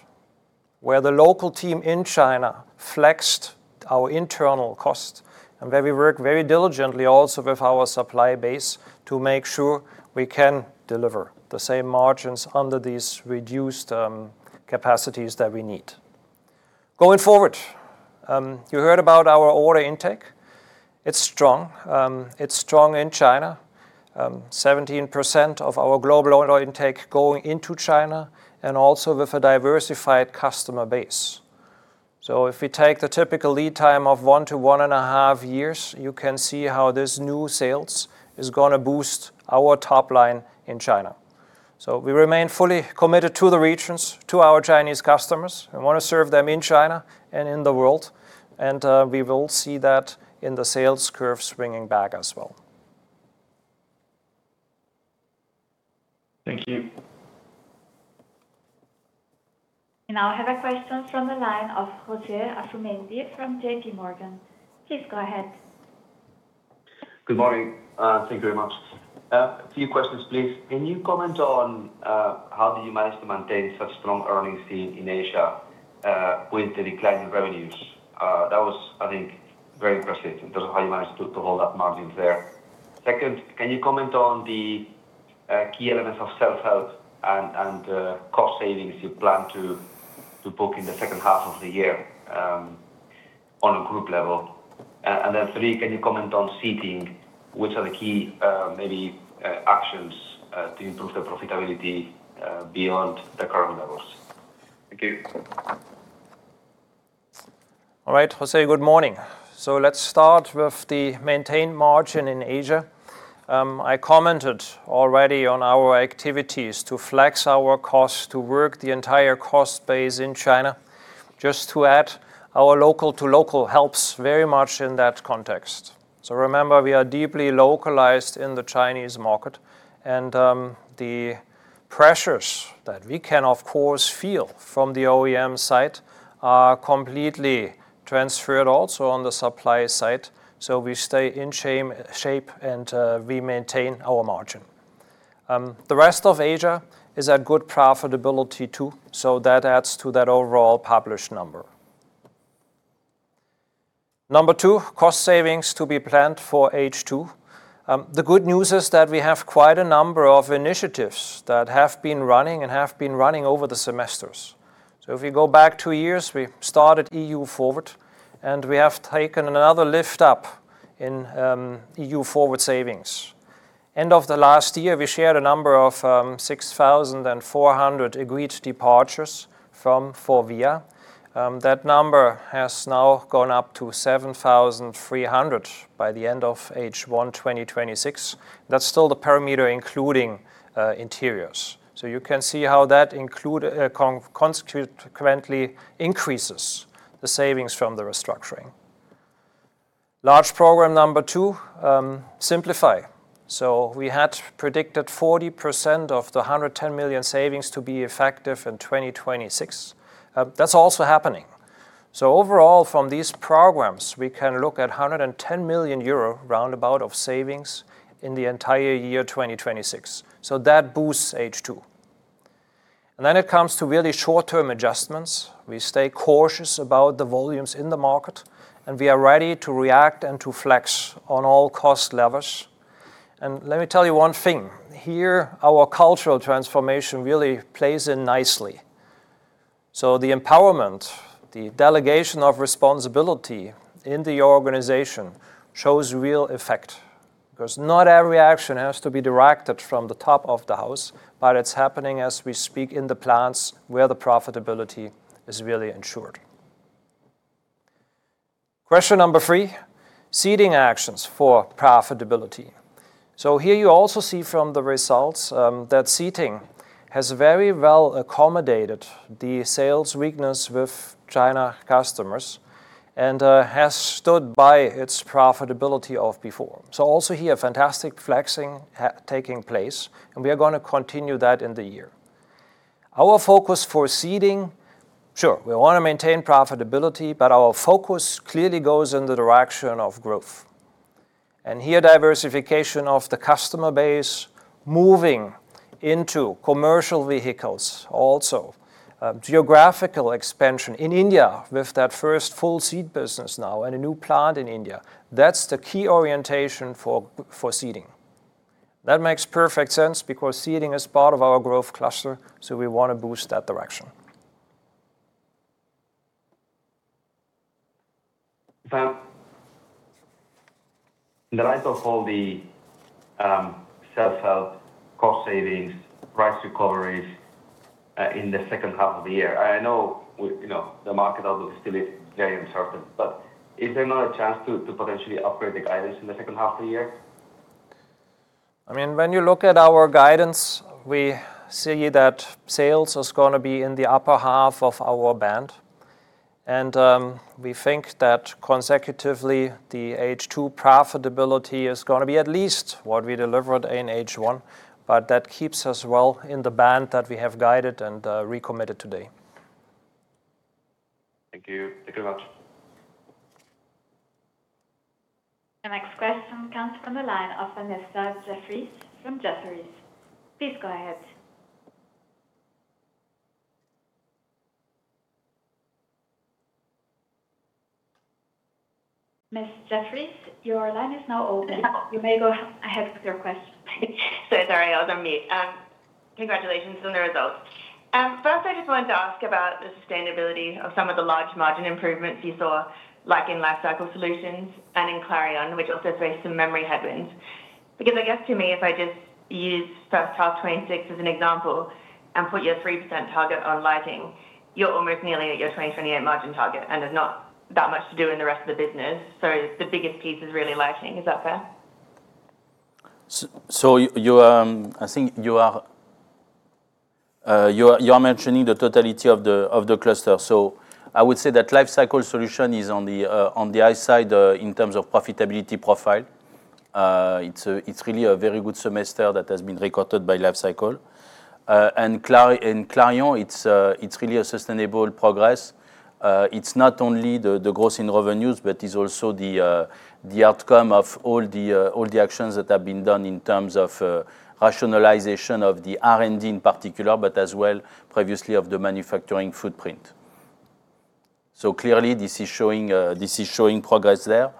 [SPEAKER 1] where the local team in China flexed our internal cost and where we work very diligently also with our supply base to make sure we can deliver the same margins under these reduced capacities that we need. Going forward, you heard about our order intake. It's strong. It's strong in China. 17% of our global order intake going into China and also with a diversified customer base. If we take the typical lead time of 1-1.5 years, you can see how this new sales is going to boost our top line in China. We remain fully committed to the regions, to our Chinese customers, and want to serve them in China and in the world, and we will see that in the sales curve swinging back as well.
[SPEAKER 5] Thank you.
[SPEAKER 3] I have a question from the line of José Asumendi from JPMorgan. Please go ahead.
[SPEAKER 6] Good morning. Thank you very much. A few questions, please. Can you comment on how do you manage to maintain such strong earnings seen in Asia with the decline in revenues? That was, I think, very impressive in terms of how you managed to hold up margins there. Second, can you comment on the key elements of self-help and cost savings you plan to book in the second half of the year on a group level? Three, can you comment on Seating? Which are the key maybe actions to improve the profitability beyond the current levels? Thank you.
[SPEAKER 1] All right, José, good morning. Let's start with the maintained margin in Asia. I commented already on our activities to flex our cost to work the entire cost base in China. To add, our local to local helps very much in that context. Remember, we are deeply localized in the Chinese market, and the pressures that we can, of course, feel from the OEM side are completely transferred also on the supply side. We stay in shape and we maintain our margin. The rest of Asia is at good profitability, too, so that adds to that overall published number. Number two, cost savings to be planned for H2. The good news is that we have quite a number of initiatives that have been running and have been running over the semesters. If we go back two years, we started EU-FORWARD, and we have taken another lift up in EU-FORWARD savings. End of the last year, we shared a number of 6,400 agreed departures from FORVIA. That number has now gone up to 7,300 by the end of H1 2026. That's still the parameter including Interiors. You can see how that concurrently increases the savings from the restructuring. Large program number two, SIMPLIFY. We had predicted 40% of the 110 million savings to be effective in 2026. That's also happening. Overall, from these programs, we can look at 110 million euro, roundabout, of savings in the entire year 2026. That boosts H2. It comes to really short-term adjustments. We stay cautious about the volumes in the market, and we are ready to react and to flex on all cost levers. Let me tell you one thing. Here, our cultural transformation really plays in nicely. The empowerment, the delegation of responsibility in the organization shows real effect, because not every action has to be directed from the top of the house, but it is happening as we speak in the plants where the profitability is really ensured. Question three, Seating actions for profitability. Here you also see from the results that Seating has very well accommodated the sales weakness with China customers and has stood by its profitability of before. Also here, fantastic flexing taking place, and we are going to continue that in the year. Our focus for Seating, sure, we want to maintain profitability, but our focus clearly goes in the direction of growth. Here, diversification of the customer base, moving into commercial vehicles also, geographical expansion in India with that first full seat business now and a new plant in India. That's the key orientation for Seating. That makes perfect sense because Seating is part of our growth cluster, we want to boost that direction.
[SPEAKER 6] [inaudible] In the light of all the self-help cost savings, price recoveries, in the second half of the year, I know the market outlook still is very uncertain, is there not a chance to potentially upgrade the guidance in the second half of the year?
[SPEAKER 1] When you look at our guidance, we see that sales is going to be in the upper half of our band. We think that consecutively, the H2 profitability is going to be at least what we delivered in H1, that keeps us well in the band that we have guided and recommitted today.
[SPEAKER 6] Thank you. Thank you very much.
[SPEAKER 3] The next question comes from the line of Vanessa Jeffriess from Jefferies. Please go ahead. Miss Jeffriess, your line is now open. You may go ahead with your question.
[SPEAKER 7] Sorry, I was on mute. Congratulations on the results. First, I just wanted to ask about the sustainability of some of the large margin improvements you saw, like in Lifecycle Solutions and in Clarion, which also faced some memory headwinds. I guess to me, if I just use first half 2026 as an example and put your 3% target on lighting, you're almost nearly at your 2028 margin target, and there's not that much to do in the rest of the business. The biggest piece is really lighting. Is that fair?
[SPEAKER 2] I think you are mentioning the totality of the cluster. I would say that Lifecycle Solutions is on the high side in terms of profitability profile. It's really a very good semester that has been recorded by Lifecycle Solutions. Clarion, it's really a sustainable progress. It's not only the growth in revenues, but it's also the outcome of all the actions that have been done in terms of rationalization of the R&D in particular, but as well previously of the manufacturing footprint. Clearly, this is showing progress there.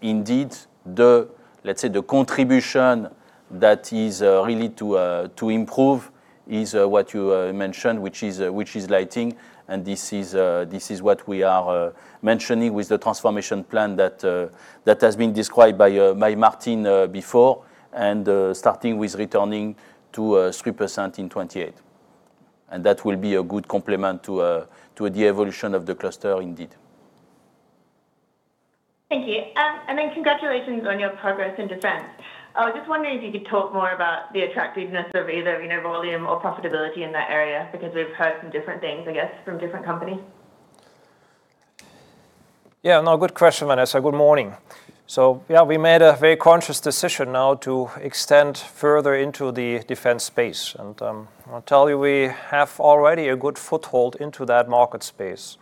[SPEAKER 2] Indeed, let's say the contribution that is really to improve is what you mentioned, which is lighting, and this is what we are mentioning with the transformation plan that has been described by Martin before, and starting with returning to 3% in 2028. That will be a good complement to the evolution of the cluster indeed.
[SPEAKER 7] Thank you. Congratulations on your progress in Defense. I was just wondering if you could talk more about the attractiveness of either volume or profitability in that area, because we've heard some different things, I guess, from different companies.
[SPEAKER 1] Good question, Vanessa. Good morning. We made a very conscious decision now to extend further into the defense space. I'll tell you, we have already a good foothold into that market space.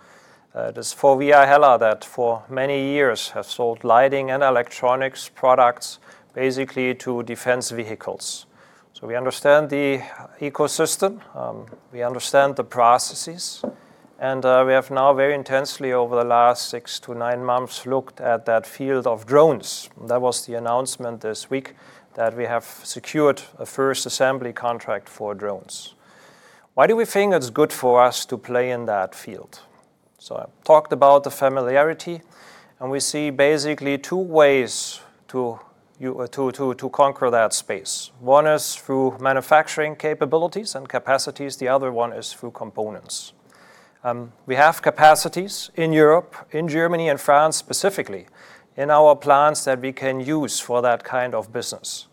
[SPEAKER 1] It is FORVIA HELLA that for many years have sold lighting and electronics products basically to defense vehicles. We understand the ecosystem, we understand the processes, and we have now very intensely over the last six to nine months looked at that field of drones. That was the announcement this week, that we have secured a first assembly contract for drones. Why do we think it's good for us to play in that field? I talked about the familiarity, and we see basically two ways to conquer that space. One is through manufacturing capabilities and capacities. The other one is through components. We have capacities in Europe, in Germany and France specifically, in our plants that we can use for that kind of business.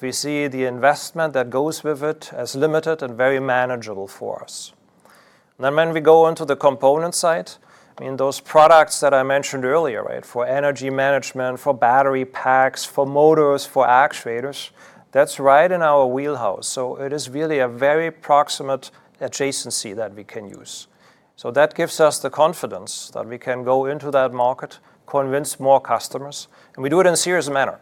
[SPEAKER 1] We see the investment that goes with it as limited and very manageable for us. When we go onto the component side, those products that I mentioned earlier, for energy management, for battery packs, for motors, for actuators, that's right in our wheelhouse. It is really a very proximate adjacency that we can use. That gives us the confidence that we can go into that market, convince more customers, and we do it in a serious manner.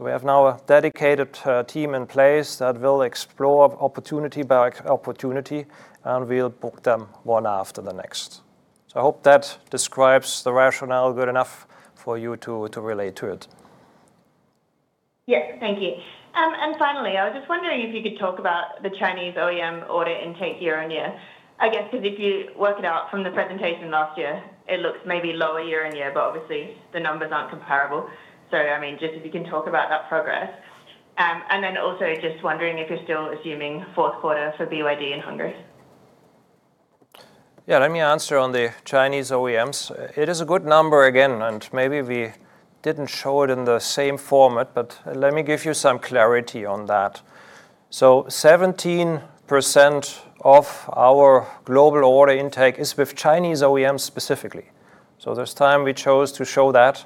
[SPEAKER 1] We have now a dedicated team in place that will explore opportunity by opportunity, and we'll book them one after the next. I hope that describes the rationale good enough for you to relate to it.
[SPEAKER 7] Yes. Thank you. Finally, I was just wondering if you could talk about the Chinese OEM order intake year-on-year. I guess because if you work it out from the presentation last year, it looks maybe lower year-on-year, but obviously, the numbers aren't comparable. Just if you can talk about that progress. Then also just wondering if you're still assuming fourth quarter for BYD in Hungary.
[SPEAKER 1] Yeah. Let me answer on the Chinese OEMs. It is a good number again, and maybe we didn't show it in the same format, but let me give you some clarity on that. 17% of our global order intake is with Chinese OEMs specifically. This time we chose to show that,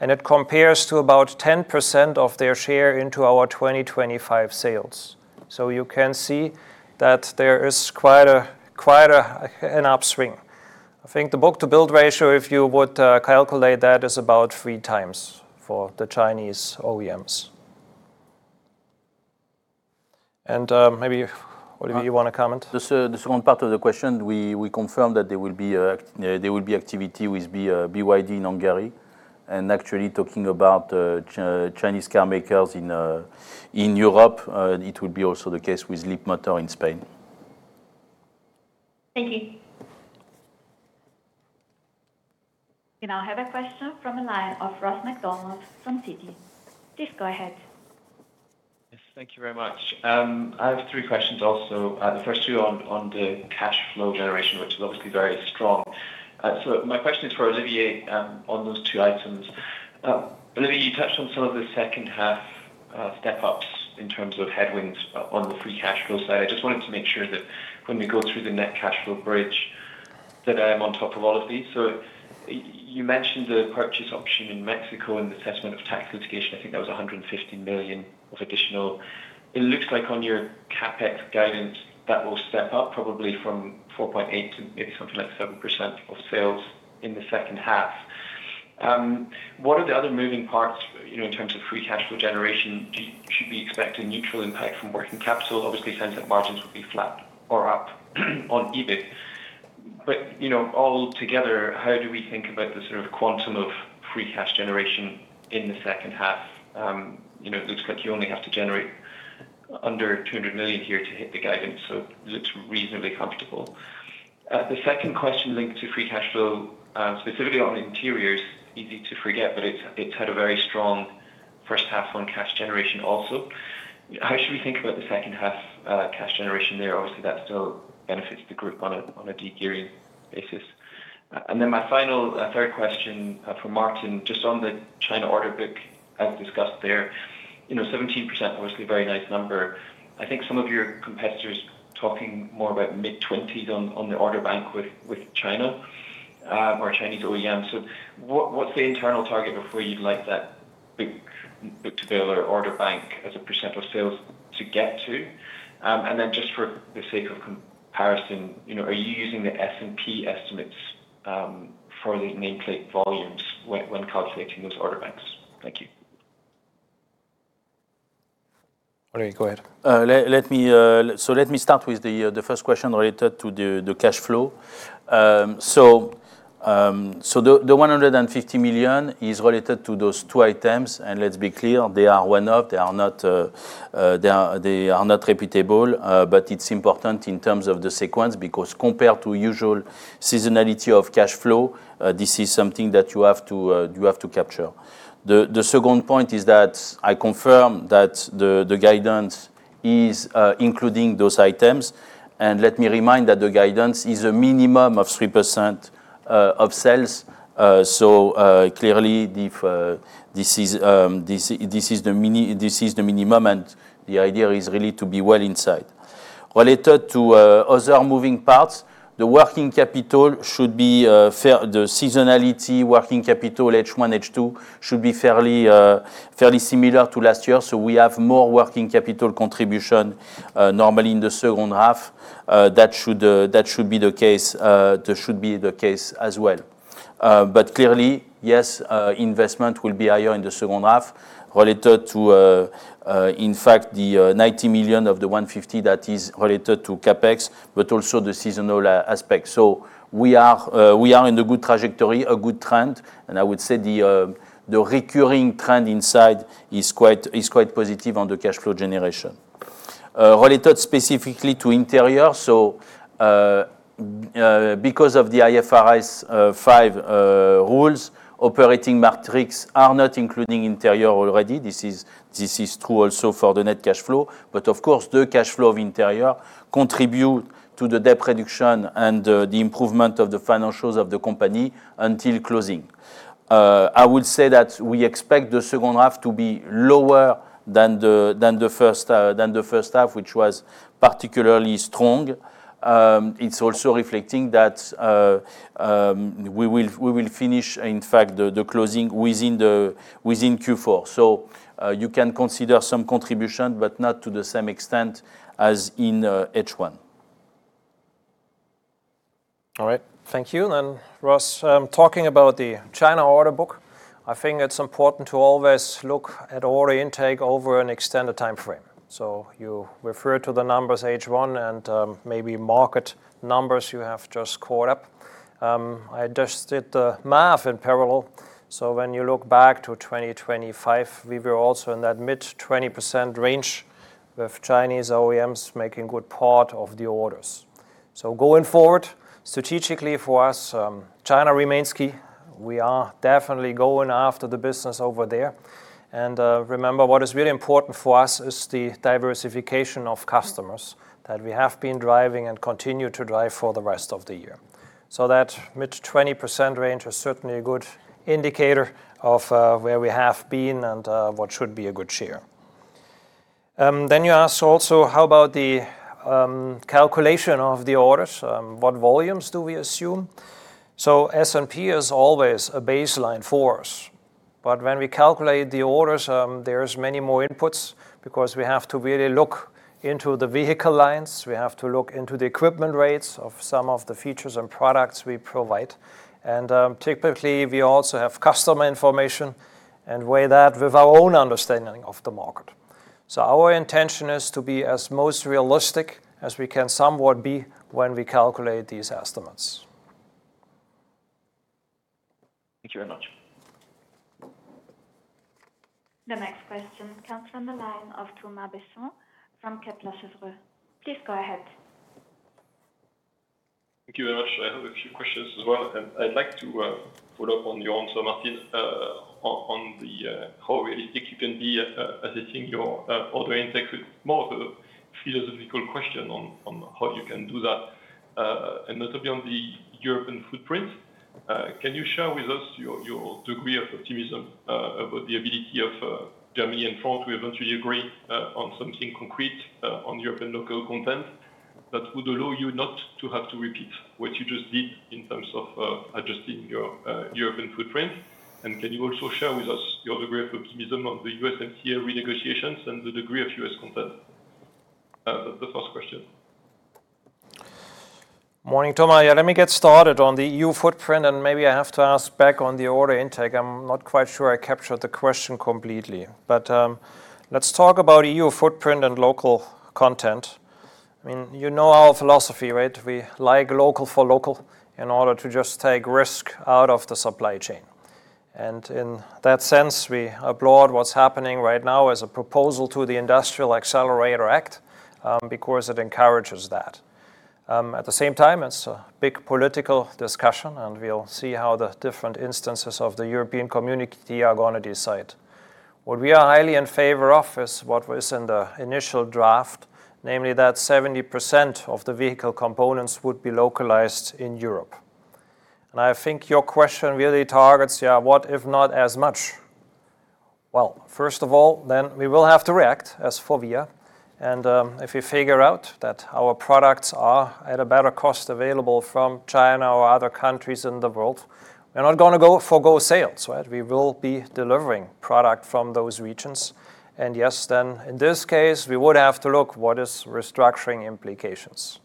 [SPEAKER 1] and it compares to about 10% of their share into our 2025 sales. You can see that there is quite an upswing. I think the book-to-bill ratio, if you would calculate that, is about 3x for the Chinese OEMs. Maybe, Olivier, you want to comment?
[SPEAKER 2] The second part of the question, we confirm that there will be activity with BYD in Hungary. Actually talking about Chinese car makers in Europe, it will be also the case with Leapmotor in Spain.
[SPEAKER 7] Thank you.
[SPEAKER 3] We now have a question from the line of Ross MacDonald from Citi. Please go ahead.
[SPEAKER 8] Yes. Thank you very much. I have three questions also. The first two on the cash flow generation, which is obviously very strong. My question is for Olivier on those two items. Olivier, you touched on some of the second-half step-ups in terms of headwinds on the free cash flow side. I just wanted to make sure that when we go through the net cash flow bridge, that I am on top of all of these. You mentioned the purchase option in Mexico and the settlement of tax litigation. I think that was 150 million of additional. It looks like on your CapEx guidance, that will step up probably from 4.8% to maybe something like 7% of sales in the second half. What are the other moving parts in terms of free cash flow generation? Should we expect a neutral impact from working capital? Obviously, it sounds like margins will be flat or up on EBIT. All together, how do we think about the sort of quantum of free cash generation in the second half? It looks like you only have to generate under 200 million here to hit the guidance, so it looks reasonably comfortable. The second question linked to free cash flow, specifically on interiors, easy to forget, but it's had a very strong first half on cash generation also. How should we think about the second-half cash generation there? Obviously, that still benefits the group on a de-gearing basis. My final third question for Martin, just on the China order book, as discussed there, 17% obviously a very nice number. I think some of your competitors talking more about mid-20% on the order bank with China or Chinese OEMs. What's the internal target of where you'd like that book-to-bill or order bank as a percent of sales to get to? Just for the sake of comparison, are you using the S&P estimates for the nameplate volumes when calculating those order banks? Thank you.
[SPEAKER 1] Olivier, go ahead.
[SPEAKER 2] Let me start with the first question related to the cash flow. The 150 million is related to those two items. Let's be clear, they are one-off. They are not repeatable, but it is important in terms of the sequence, because compared to usual seasonality of cash flow, this is something that you have to capture. The second point is that I confirm that the guidance is including those items. Let me remind that the guidance is a minimum of 3% of sales. Clearly, this is the minimum, and the idea is really to be well inside. Related to other moving parts, the working capital should be fair. The seasonality working capital, H1, H2, should be fairly similar to last year. We have more working capital contribution, normally in the second half. That should be the case as well. Clearly, yes, investment will be higher in the second half related to, in fact, the 90 million of the 150 million that is related to CapEx, also the seasonal aspect. We are in a good trajectory, a good trend, I would say the recurring trend inside is quite positive on the cash flow generation. Related specifically to interior, because of the IFRS 5 rules, operating metrics are not including interior already. This is true also for the net cash flow. Of course, the cash flow of interior contribute to the debt reduction and the improvement of the financials of the company until closing. I would say that we expect the second half to be lower than the first half, which was particularly strong. It is also reflecting that we will finish, in fact, the closing within Q4. You can consider some contribution, not to the same extent as in H1.
[SPEAKER 1] All right. Thank you. Ross, talking about the China order book, I think it is important to always look at order intake over an extended timeframe. You refer to the numbers H1 and maybe market numbers you have just caught up. I just did the math in parallel. When you look back to 2025, we were also in that mid-20% range with Chinese OEMs making a good part of the orders. Going forward, strategically for us, China remains key. We are definitely going after the business over there. Remember, what is really important for us is the diversification of customers that we have been driving and continue to drive for the rest of the year. That mid-20% range is certainly a good indicator of where we have been and what should be a good share. You asked also, how about the calculation of the orders? What volumes do we assume? S&P is always a baseline for us, but when we calculate the orders, there's many more inputs because we have to really look into the vehicle lines. We have to look into the equipment rates of some of the features and products we provide. Typically, we also have customer information and weigh that with our own understanding of the market. Our intention is to be as most realistic as we can somewhat be when we calculate these estimates.
[SPEAKER 8] Thank you very much.
[SPEAKER 3] The next question comes from the line of Thomas Besson from Kepler Cheuvreux. Please go ahead.
[SPEAKER 9] Thank you very much. I have a few questions as well. I'd like to follow up on your answer, Martin, on how realistic you can be at assessing your order intake with more of a philosophical question on how you can do that. Notably on the European footprint, can you share with us your degree of optimism about the ability of Germany and France who eventually agree on something concrete on European local content that would allow you not to have to repeat what you just did in terms of adjusting your European footprint? Can you also share with us your degree of optimism on the USMCA renegotiations and the degree of U.S. content? The first question.
[SPEAKER 1] Morning, Thomas. Let me get started on the EU footprint, maybe I have to ask back on the order intake. I'm not quite sure I captured the question completely. Let's talk about EU footprint and local content. You know our philosophy, right? We like local for local in order to just take risk out of the supply chain. In that sense, we applaud what's happening right now as a proposal to the Industrial Accelerator Act, because it encourages that. At the same time, it's a big political discussion, and we'll see how the different instances of the European community are going to decide. What we are highly in favor of is what was in the initial draft, namely that 70% of the vehicle components would be localized in Europe. I think your question really targets, what if not as much? First of all, then we will have to react as FORVIA. If we figure out that our products are at a better cost available from China or other countries in the world, we're not going to forgo sales, right? We will be delivering product from those regions. Yes, then in this case, we would have to look what is restructuring implications.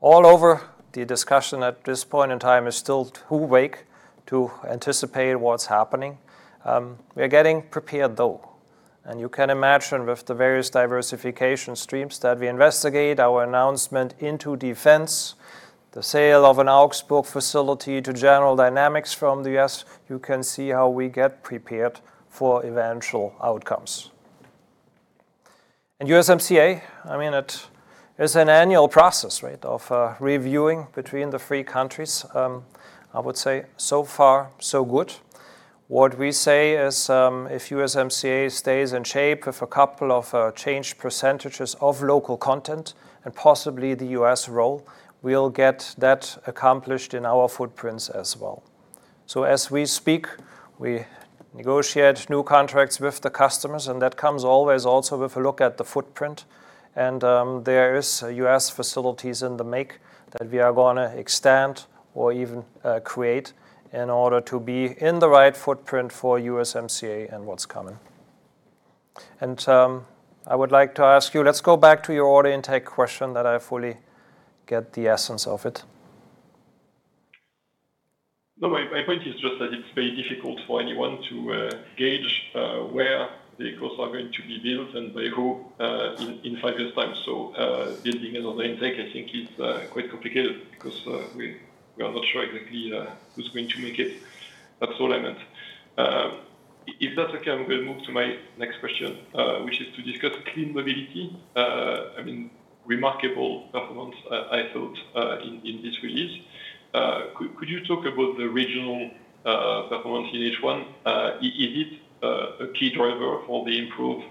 [SPEAKER 1] All over the discussion at this point in time is still too vague to anticipate what's happening. We are getting prepared, though. You can imagine with the various diversification streams that we investigate, our announcement into defense, the sale of an Augsburg facility to General Dynamics from the U.S., you can see how we get prepared for eventual outcomes. USMCA, it is an annual process of reviewing between the three countries. I would say so far so good. What we say is, if USMCA stays in shape with a couple of changed percentages of local content and possibly the U.S. role, we'll get that accomplished in our footprints as well. As we speak, we negotiate new contracts with the customers, that comes always also with a look at the footprint. There is U.S. facilities in the make that we are going to extend or even create in order to be in the right footprint for USMCA and what's coming. I would like to ask you, let's go back to your order intake question that I fully get the essence of it.
[SPEAKER 9] My point is just that it's very difficult for anyone to gauge where vehicles are going to be built and by who in five years' time. Building an order intake, I think, is quite complicated because we are not sure exactly who's going to make it. That's all I meant. If that's okay, I'm going to move to my next question, which is to discuss Clean Mobility. Remarkable performance, I thought, in this release. Could you talk about the regional performance in H1? Is it a key driver for the improved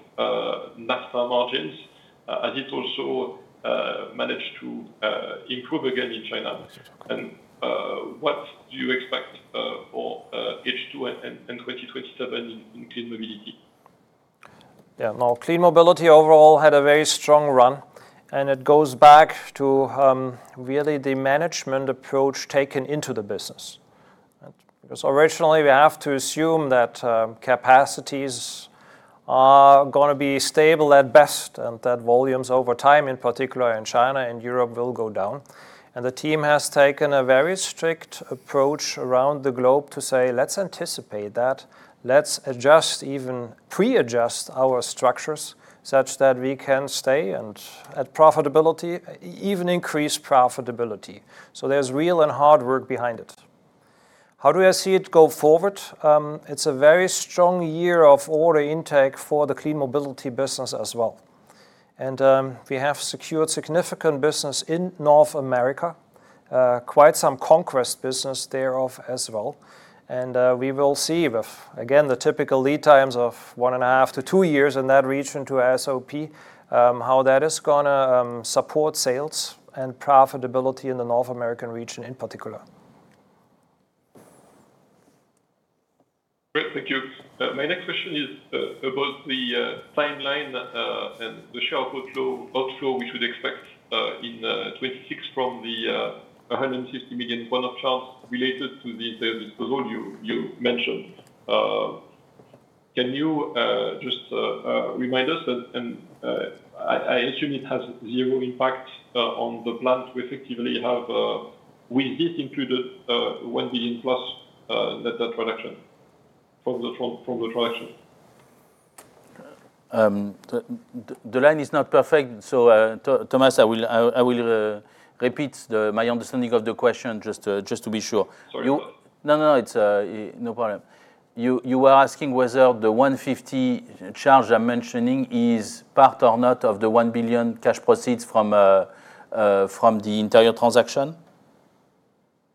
[SPEAKER 9] master margins? Has it also managed to improve again in China? What do you expect for H2 and 2027 in Clean Mobility?
[SPEAKER 1] Clean Mobility overall had a very strong run, and it goes back to really the management approach taken into the business. Originally, we have to assume that capacities are going to be stable at best, and that volumes over time, in particular in China and Europe, will go down. The team has taken a very strict approach around the globe to say, let's anticipate that. Let's adjust, even pre-adjust our structures such that we can stay and at profitability, even increase profitability. There's real and hard work behind it. How do I see it go forward? It's a very strong year of order intake for the Clean Mobility business as well. We have secured significant business in North America, quite some conquest business thereof as well. We will see with, again, the typical lead times of 1.5-2 years in that region to SOP, how that is going to support sales and profitability in the North American region in particular.
[SPEAKER 9] Great. Thank you. My next question is about the timeline and the share of outflow we should expect in 2026 from the 150 million one-off charge related to the sale disposal you mentioned. Can you just remind us? I assume it has zero impact on the plans we effectively have with it included 1 billion+ net debt reduction from the transaction.
[SPEAKER 2] The line is not perfect, Thomas, I will repeat my understanding of the question just to be sure.
[SPEAKER 9] Sorry about that.
[SPEAKER 2] It's no problem. You were asking whether the 150 charge I'm mentioning is part or not of the 1 billion cash proceeds from the Interiors transaction?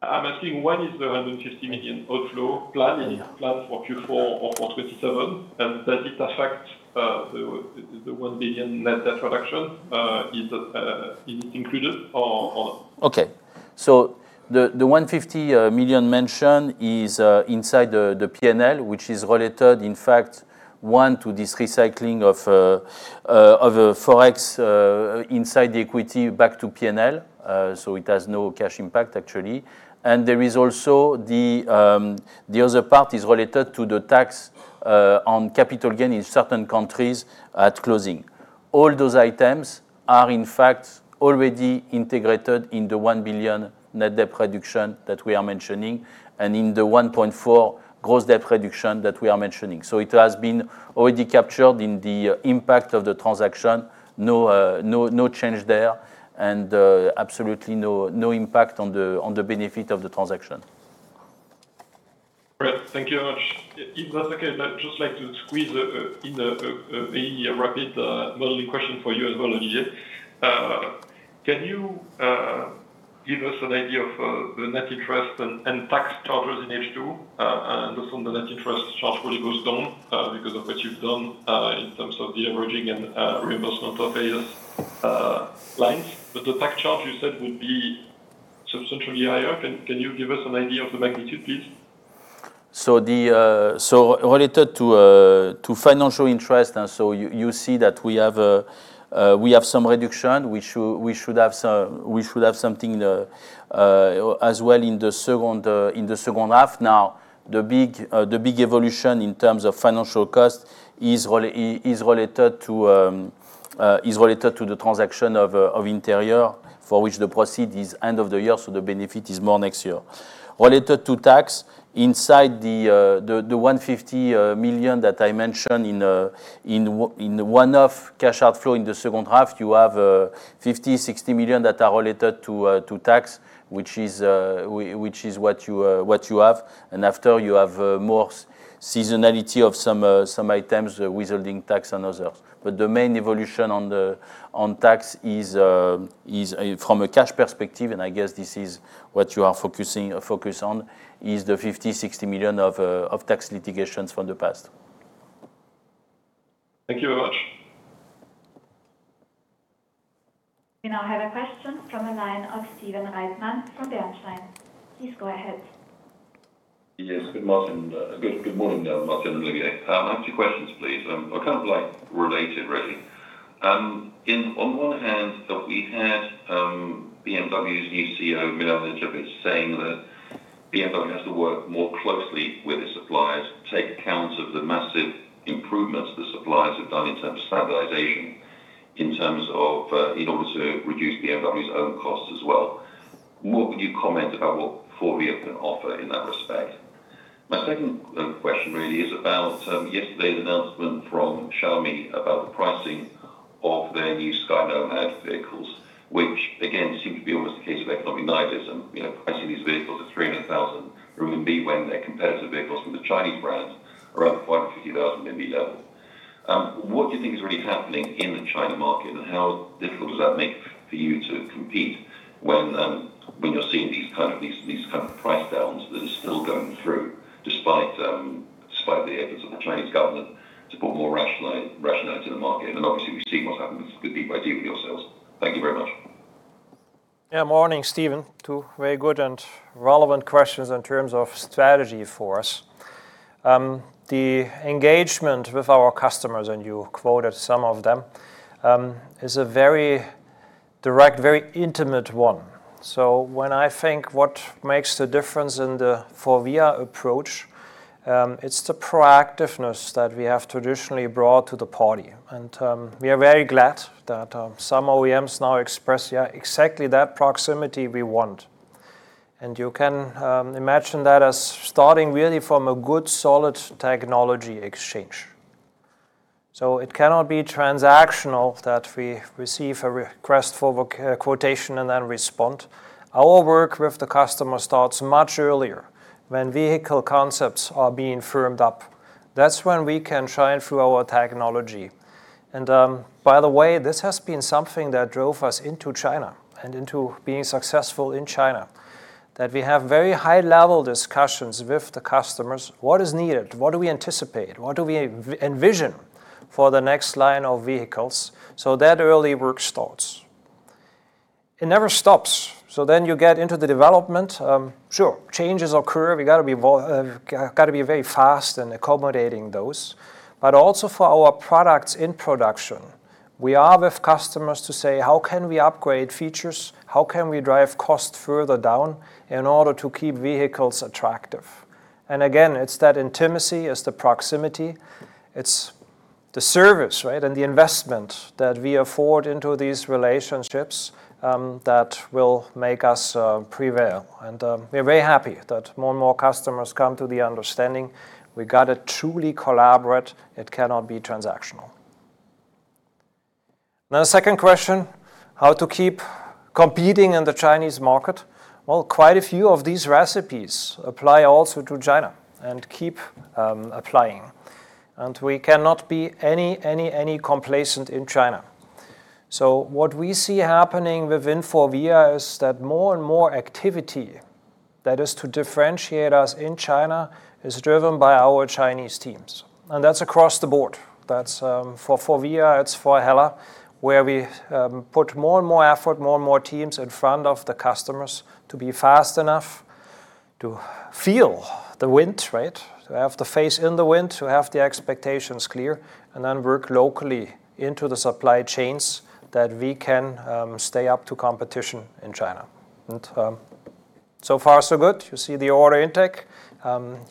[SPEAKER 9] I'm asking when is the 150 million outflow planned? Is it planned for Q4 or for 2027? Does it affect the 1 billion net debt reduction? Is it included or not?
[SPEAKER 2] The 150 million mentioned is inside the P&L, which is related, in fact, one, to this recycling of Forex inside the equity back to P&L. It has no cash impact, actually. There is also the other part is related to the tax on capital gain in certain countries at closing. All those items are, in fact, already integrated in the 1 billion net debt reduction that we are mentioning and in the 1.4 billion gross debt reduction that we are mentioning. It has been already captured in the impact of the transaction. No change there. Absolutely no impact on the benefit of the transaction.
[SPEAKER 9] Great. Thank you very much. If that's okay, I'd just like to squeeze in a rapid modeling question for you as well, Olivier. Can you give us an idea of the net interest and tax charges in H2? Also, the net interest charge really goes down because of what you've done in terms of deleveraging and reimbursement of Schuldschein lines. The tax charge you said would be substantially higher. Can you give us an idea of the magnitude, please?
[SPEAKER 2] Related to financial interest, you see that we have some reduction. We should have something as well in the second half. Now, the big evolution in terms of financial cost is related to the transaction of Interiors, for which the proceed is end of the year, so the benefit is more next year. Related to tax, inside the 150 million that I mentioned in one-off cash outflow in the second half, you have 50 million, 60 million that are related to tax, which is what you have. After, you have more seasonality of some items withholding tax and others. The main evolution on tax is from a cash perspective, and I guess this is what you are focused on, is the 50 million, 60 million of tax litigations from the past.
[SPEAKER 9] Thank you very much.
[SPEAKER 3] We now have a question from the line of Stephen Reitman from Bernstein. Please go ahead.
[SPEAKER 10] Yes. Good morning, Martin and Olivier. I have two questions, please. Kind of related, really. On one hand, we had BMW's new CEO, Milan Nedeljković, saying that BMW has to work more closely with its suppliers to take account of the massive improvements the suppliers have done in terms of standardization in order to reduce BMW's own costs as well. What would you comment about what FORVIA can offer in that respect? My second question really is about yesterday's announcement from Xiaomi about the pricing of their new Sky Nomad vehicles, which again, seem to be almost a case of economic nihilism. Pricing these vehicles at 300,000 RMB when their competitor vehicles from the Chinese brands are at the 150,000 RMB level. What do you think is really happening in the China market, how difficult does that make for you to compete when you're seeing these kind of price downs that are still going through despite Despite the efforts of the Chinese government to put more rationale into the market. Obviously we've seen what's happened with good BYD for yourselves. Thank you very much.
[SPEAKER 1] Good morning, Stephen. Two very good and relevant questions in terms of strategy for us. The engagement with our customers, and you quoted some of them, is a very direct, very intimate one. When I think what makes the difference in the FORVIA approach, it's the proactiveness that we have traditionally brought to the party. We are very glad that some OEMs now express exactly that proximity we want. You can imagine that as starting really from a good solid technology exchange. It cannot be transactional, that we receive a request for quotation and then respond. Our work with the customer starts much earlier, when vehicle concepts are being firmed up. That's when we can shine through our technology. By the way, this has been something that drove us into China and into being successful in China. That we have very high-level discussions with the customers. What is needed? What do we anticipate? What do we envision for the next line of vehicles? That early work starts. It never stops. You get into the development. Sure, changes occur. We got to be very fast in accommodating those. Also for our products in production, we are with customers to say, how can we upgrade features? How can we drive costs further down in order to keep vehicles attractive? Again, it's that intimacy. It's the proximity. It's the service, right, and the investment that we afford into these relationships that will make us prevail. We're very happy that more and more customers come to the understanding we got to truly collaborate. It cannot be transactional. Now, the second question, how to keep competing in the Chinese market. Well, quite a few of these recipes apply also to China, and keep applying. We cannot be any complacent in China. What we see happening within FORVIA is that more and more activity that is to differentiate us in China is driven by our Chinese teams. That's across the board. That's FORVIA, it's for Hella, where we put more and more effort, more and more teams in front of the customers to be fast enough to feel the wind, right? To have the face in the wind, to have the expectations clear, then work locally into the supply chains that we can stay up to competition in China. So far so good. You see the order intake.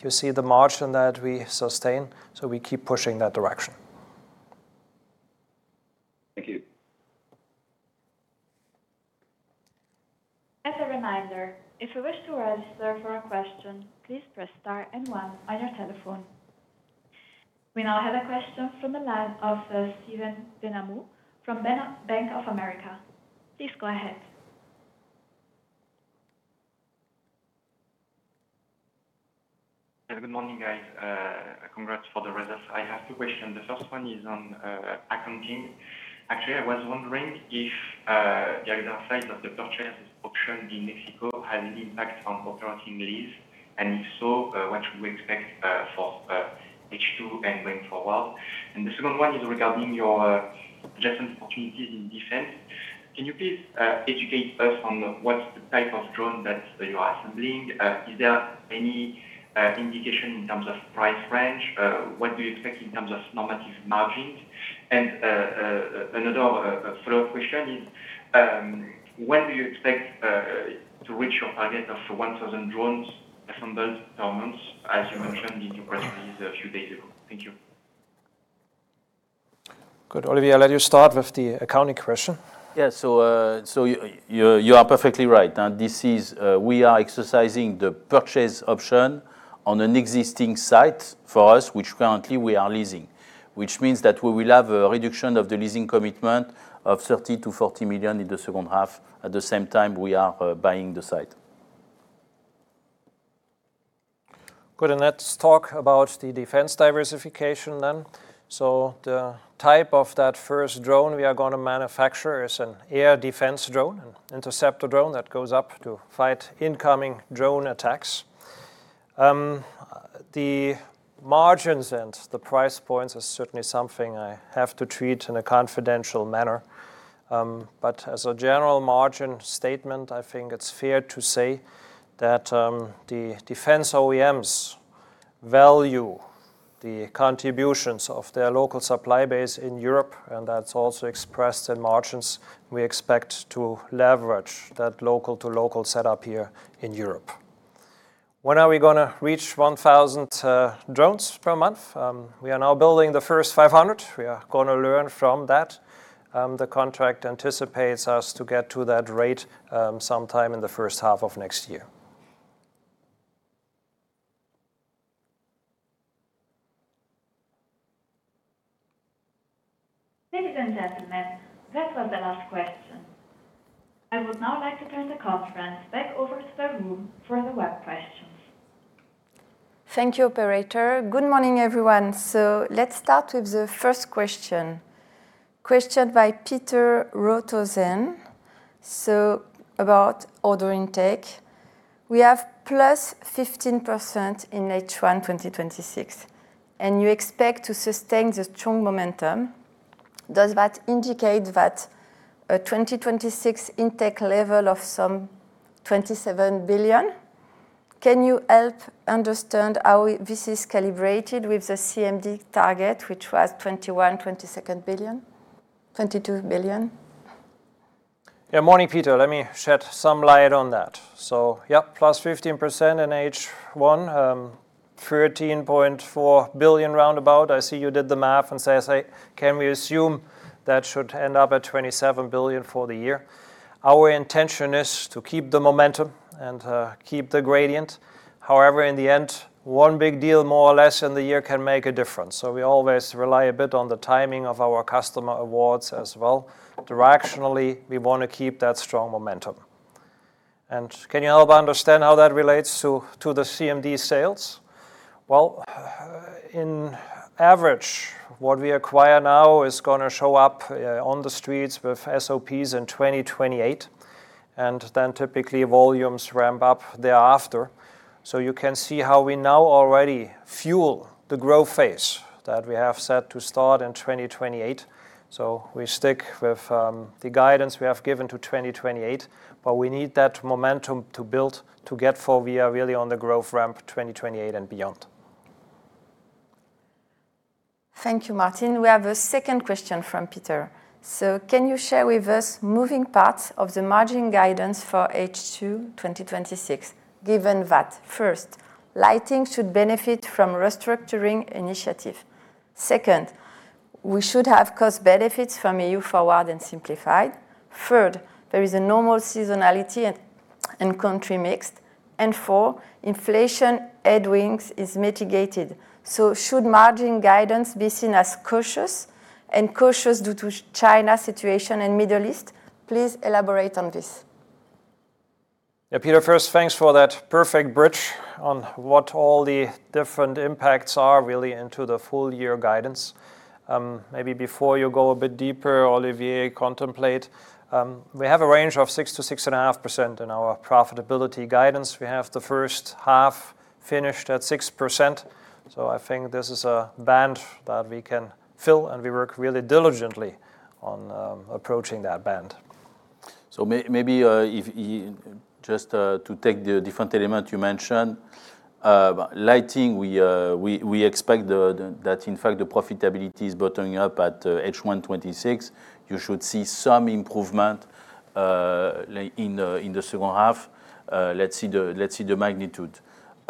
[SPEAKER 1] You see the margin that we sustain. We keep pushing that direction.
[SPEAKER 10] Thank you.
[SPEAKER 3] As a reminder, if you wish to register for a question, please press star and one on your telephone. We now have a question from the line of Stephen Benhamou from Bank of America. Please go ahead.
[SPEAKER 11] Yeah, good morning, guys. Congrats for the results. I have two questions. The first one is on accounting. Actually, I was wondering if the other side of the purchase option in Mexico has an impact on operating lease, and if so, what should we expect for H2 and going forward? The second one is regarding your adjacent opportunities in defense. Can you please educate us on what's the type of drone that you are assembling? Is there any indication in terms of price range? What do you expect in terms of normative margins? Another follow-up question is, when do you expect to reach your target of 1,000 drones assembled per month, as you mentioned in your presentation a few days ago? Thank you.
[SPEAKER 1] Good. Olivier, I'll let you start with the accounting question.
[SPEAKER 2] Yeah, you are perfectly right. We are exercising the purchase option on an existing site for us, which currently we are leasing. Which means that we will have a reduction of the leasing commitment of 30 million-40 million in the second half. At the same time, we are buying the site.
[SPEAKER 1] Good. Let's talk about the defense diversification then. The type of that first drone we are going to manufacture is an air defense drone, an interceptor drone that goes up to fight incoming drone attacks. The margins and the price points are certainly something I have to treat in a confidential manner. As a general margin statement, I think it's fair to say that the defense OEMs value the contributions of their local supply base in Europe, and that's also expressed in margins. We expect to leverage that local-to-local setup here in Europe. When are we going to reach 1,000 drones per month? We are now building the first 500. We are going to learn from that. The contract anticipates us to get to that rate sometime in the first half of next year.
[SPEAKER 3] Ladies and gentlemen, that was the last question. I would now like to turn the conference back over to the room for the web questions.
[SPEAKER 12] Thank you, operator. Good morning, everyone. Let's start with the first question. Question by Peter [Rothen] about order intake. We have +15% in H1 2026. You expect to sustain the strong momentum. Does that indicate that a 2026 intake level of some 27 billion? Can you help understand how this is calibrated with the CMD target, which was 21 billion, 22 billion?
[SPEAKER 1] Morning, Peter. Let me shed some light on that. +15% in H1, 13.4 billion roundabout. I see you did the math and say, "Can we assume that should end up at 27 billion for the year?" Our intention is to keep the momentum and keep the gradient. However, in the end, one big deal more or less in the year can make a difference, so we always rely a bit on the timing of our customer awards as well. Directionally, we want to keep that strong momentum. Can you help understand how that relates to the CMD sales? On average, what we acquire now is going to show up on the streets with SOPs in 2028, and then typically volumes ramp up thereafter. You can see how we now already fuel the growth phase that we have set to start in 2028. We stick with the guidance we have given to 2028, but we need that momentum to build, to get FORVIA really on the growth ramp 2028 and beyond.
[SPEAKER 12] Thank you, Martin. We have a second question from Peter. Can you share with us moving parts of the margin guidance for H2 2026, given that, first, lighting should benefit from restructuring initiative. Second, we should have cost benefits from EU-FORWARD and SIMPLIFY. Third, there is a normal seasonality and country mix. Four, inflation headwinds is mitigated. Should margin guidance be seen as cautious, and cautious due to China situation and Middle East? Please elaborate on this.
[SPEAKER 1] Peter, First, thanks for that perfect bridge on what all the different impacts are really into the full year guidance. Maybe before you go a bit deeper, Olivier, contemplate. We have a range of 6%-6.5% in our profitability guidance. We have the first half finished at 6%, I think this is a band that we can fill, and we work really diligently on approaching that band.
[SPEAKER 2] Maybe just to take the different element you mentioned. Lighting, we expect that in fact the profitability is bottoming up at H1 2026. You should see some improvement in the second half. Let's see the magnitude.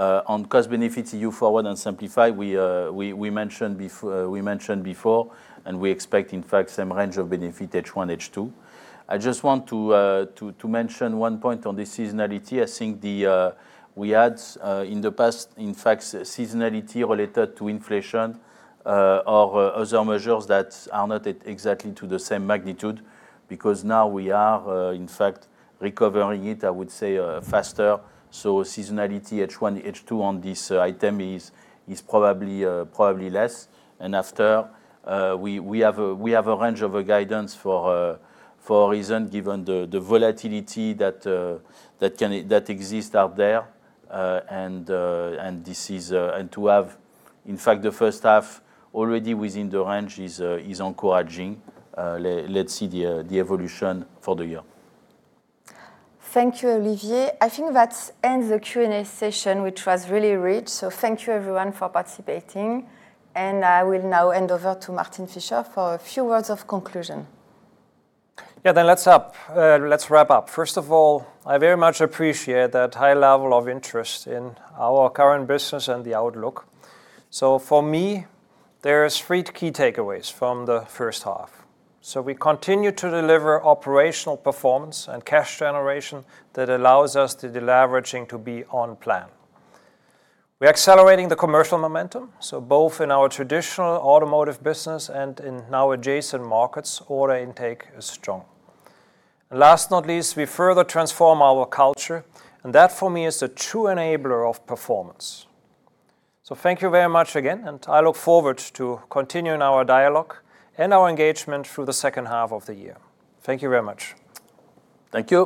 [SPEAKER 2] On cost benefits EU-FORWARD and SIMPLIFY, we mentioned before, and we expect in fact same range of benefit H1, H2. I just want to mention one point on the seasonality. I think we had, in the past, in fact, seasonality related to inflation or other measures that are not exactly to the same magnitude. Because now we are, in fact, recovering it, I would say, faster. Seasonality H1, H2 on this item is probably less. After, we have a range of a guidance for a reason, given the volatility that exists out there. To have the first half already within the range is encouraging. Let's see the evolution for the year.
[SPEAKER 12] Thank you, Olivier. I think that ends the Q&A session, which was really rich. Thank you everyone for participating, and I will now hand over to Martin Fischer for a few words of conclusion.
[SPEAKER 1] Let's wrap up. First of all, I very much appreciate that high level of interest in our current business and the outlook. For me, there are three key takeaways from the first half. We continue to deliver operational performance and cash generation that allows us the deleveraging to be on plan. We're accelerating the commercial momentum, so both in our traditional automotive business and in now adjacent markets, order intake is strong. Last not least, we further transform our culture, and that for me is the true enabler of performance. Thank you very much again, and I look forward to continuing our dialogue and our engagement through the second half of the year. Thank you very much.
[SPEAKER 2] Thank you.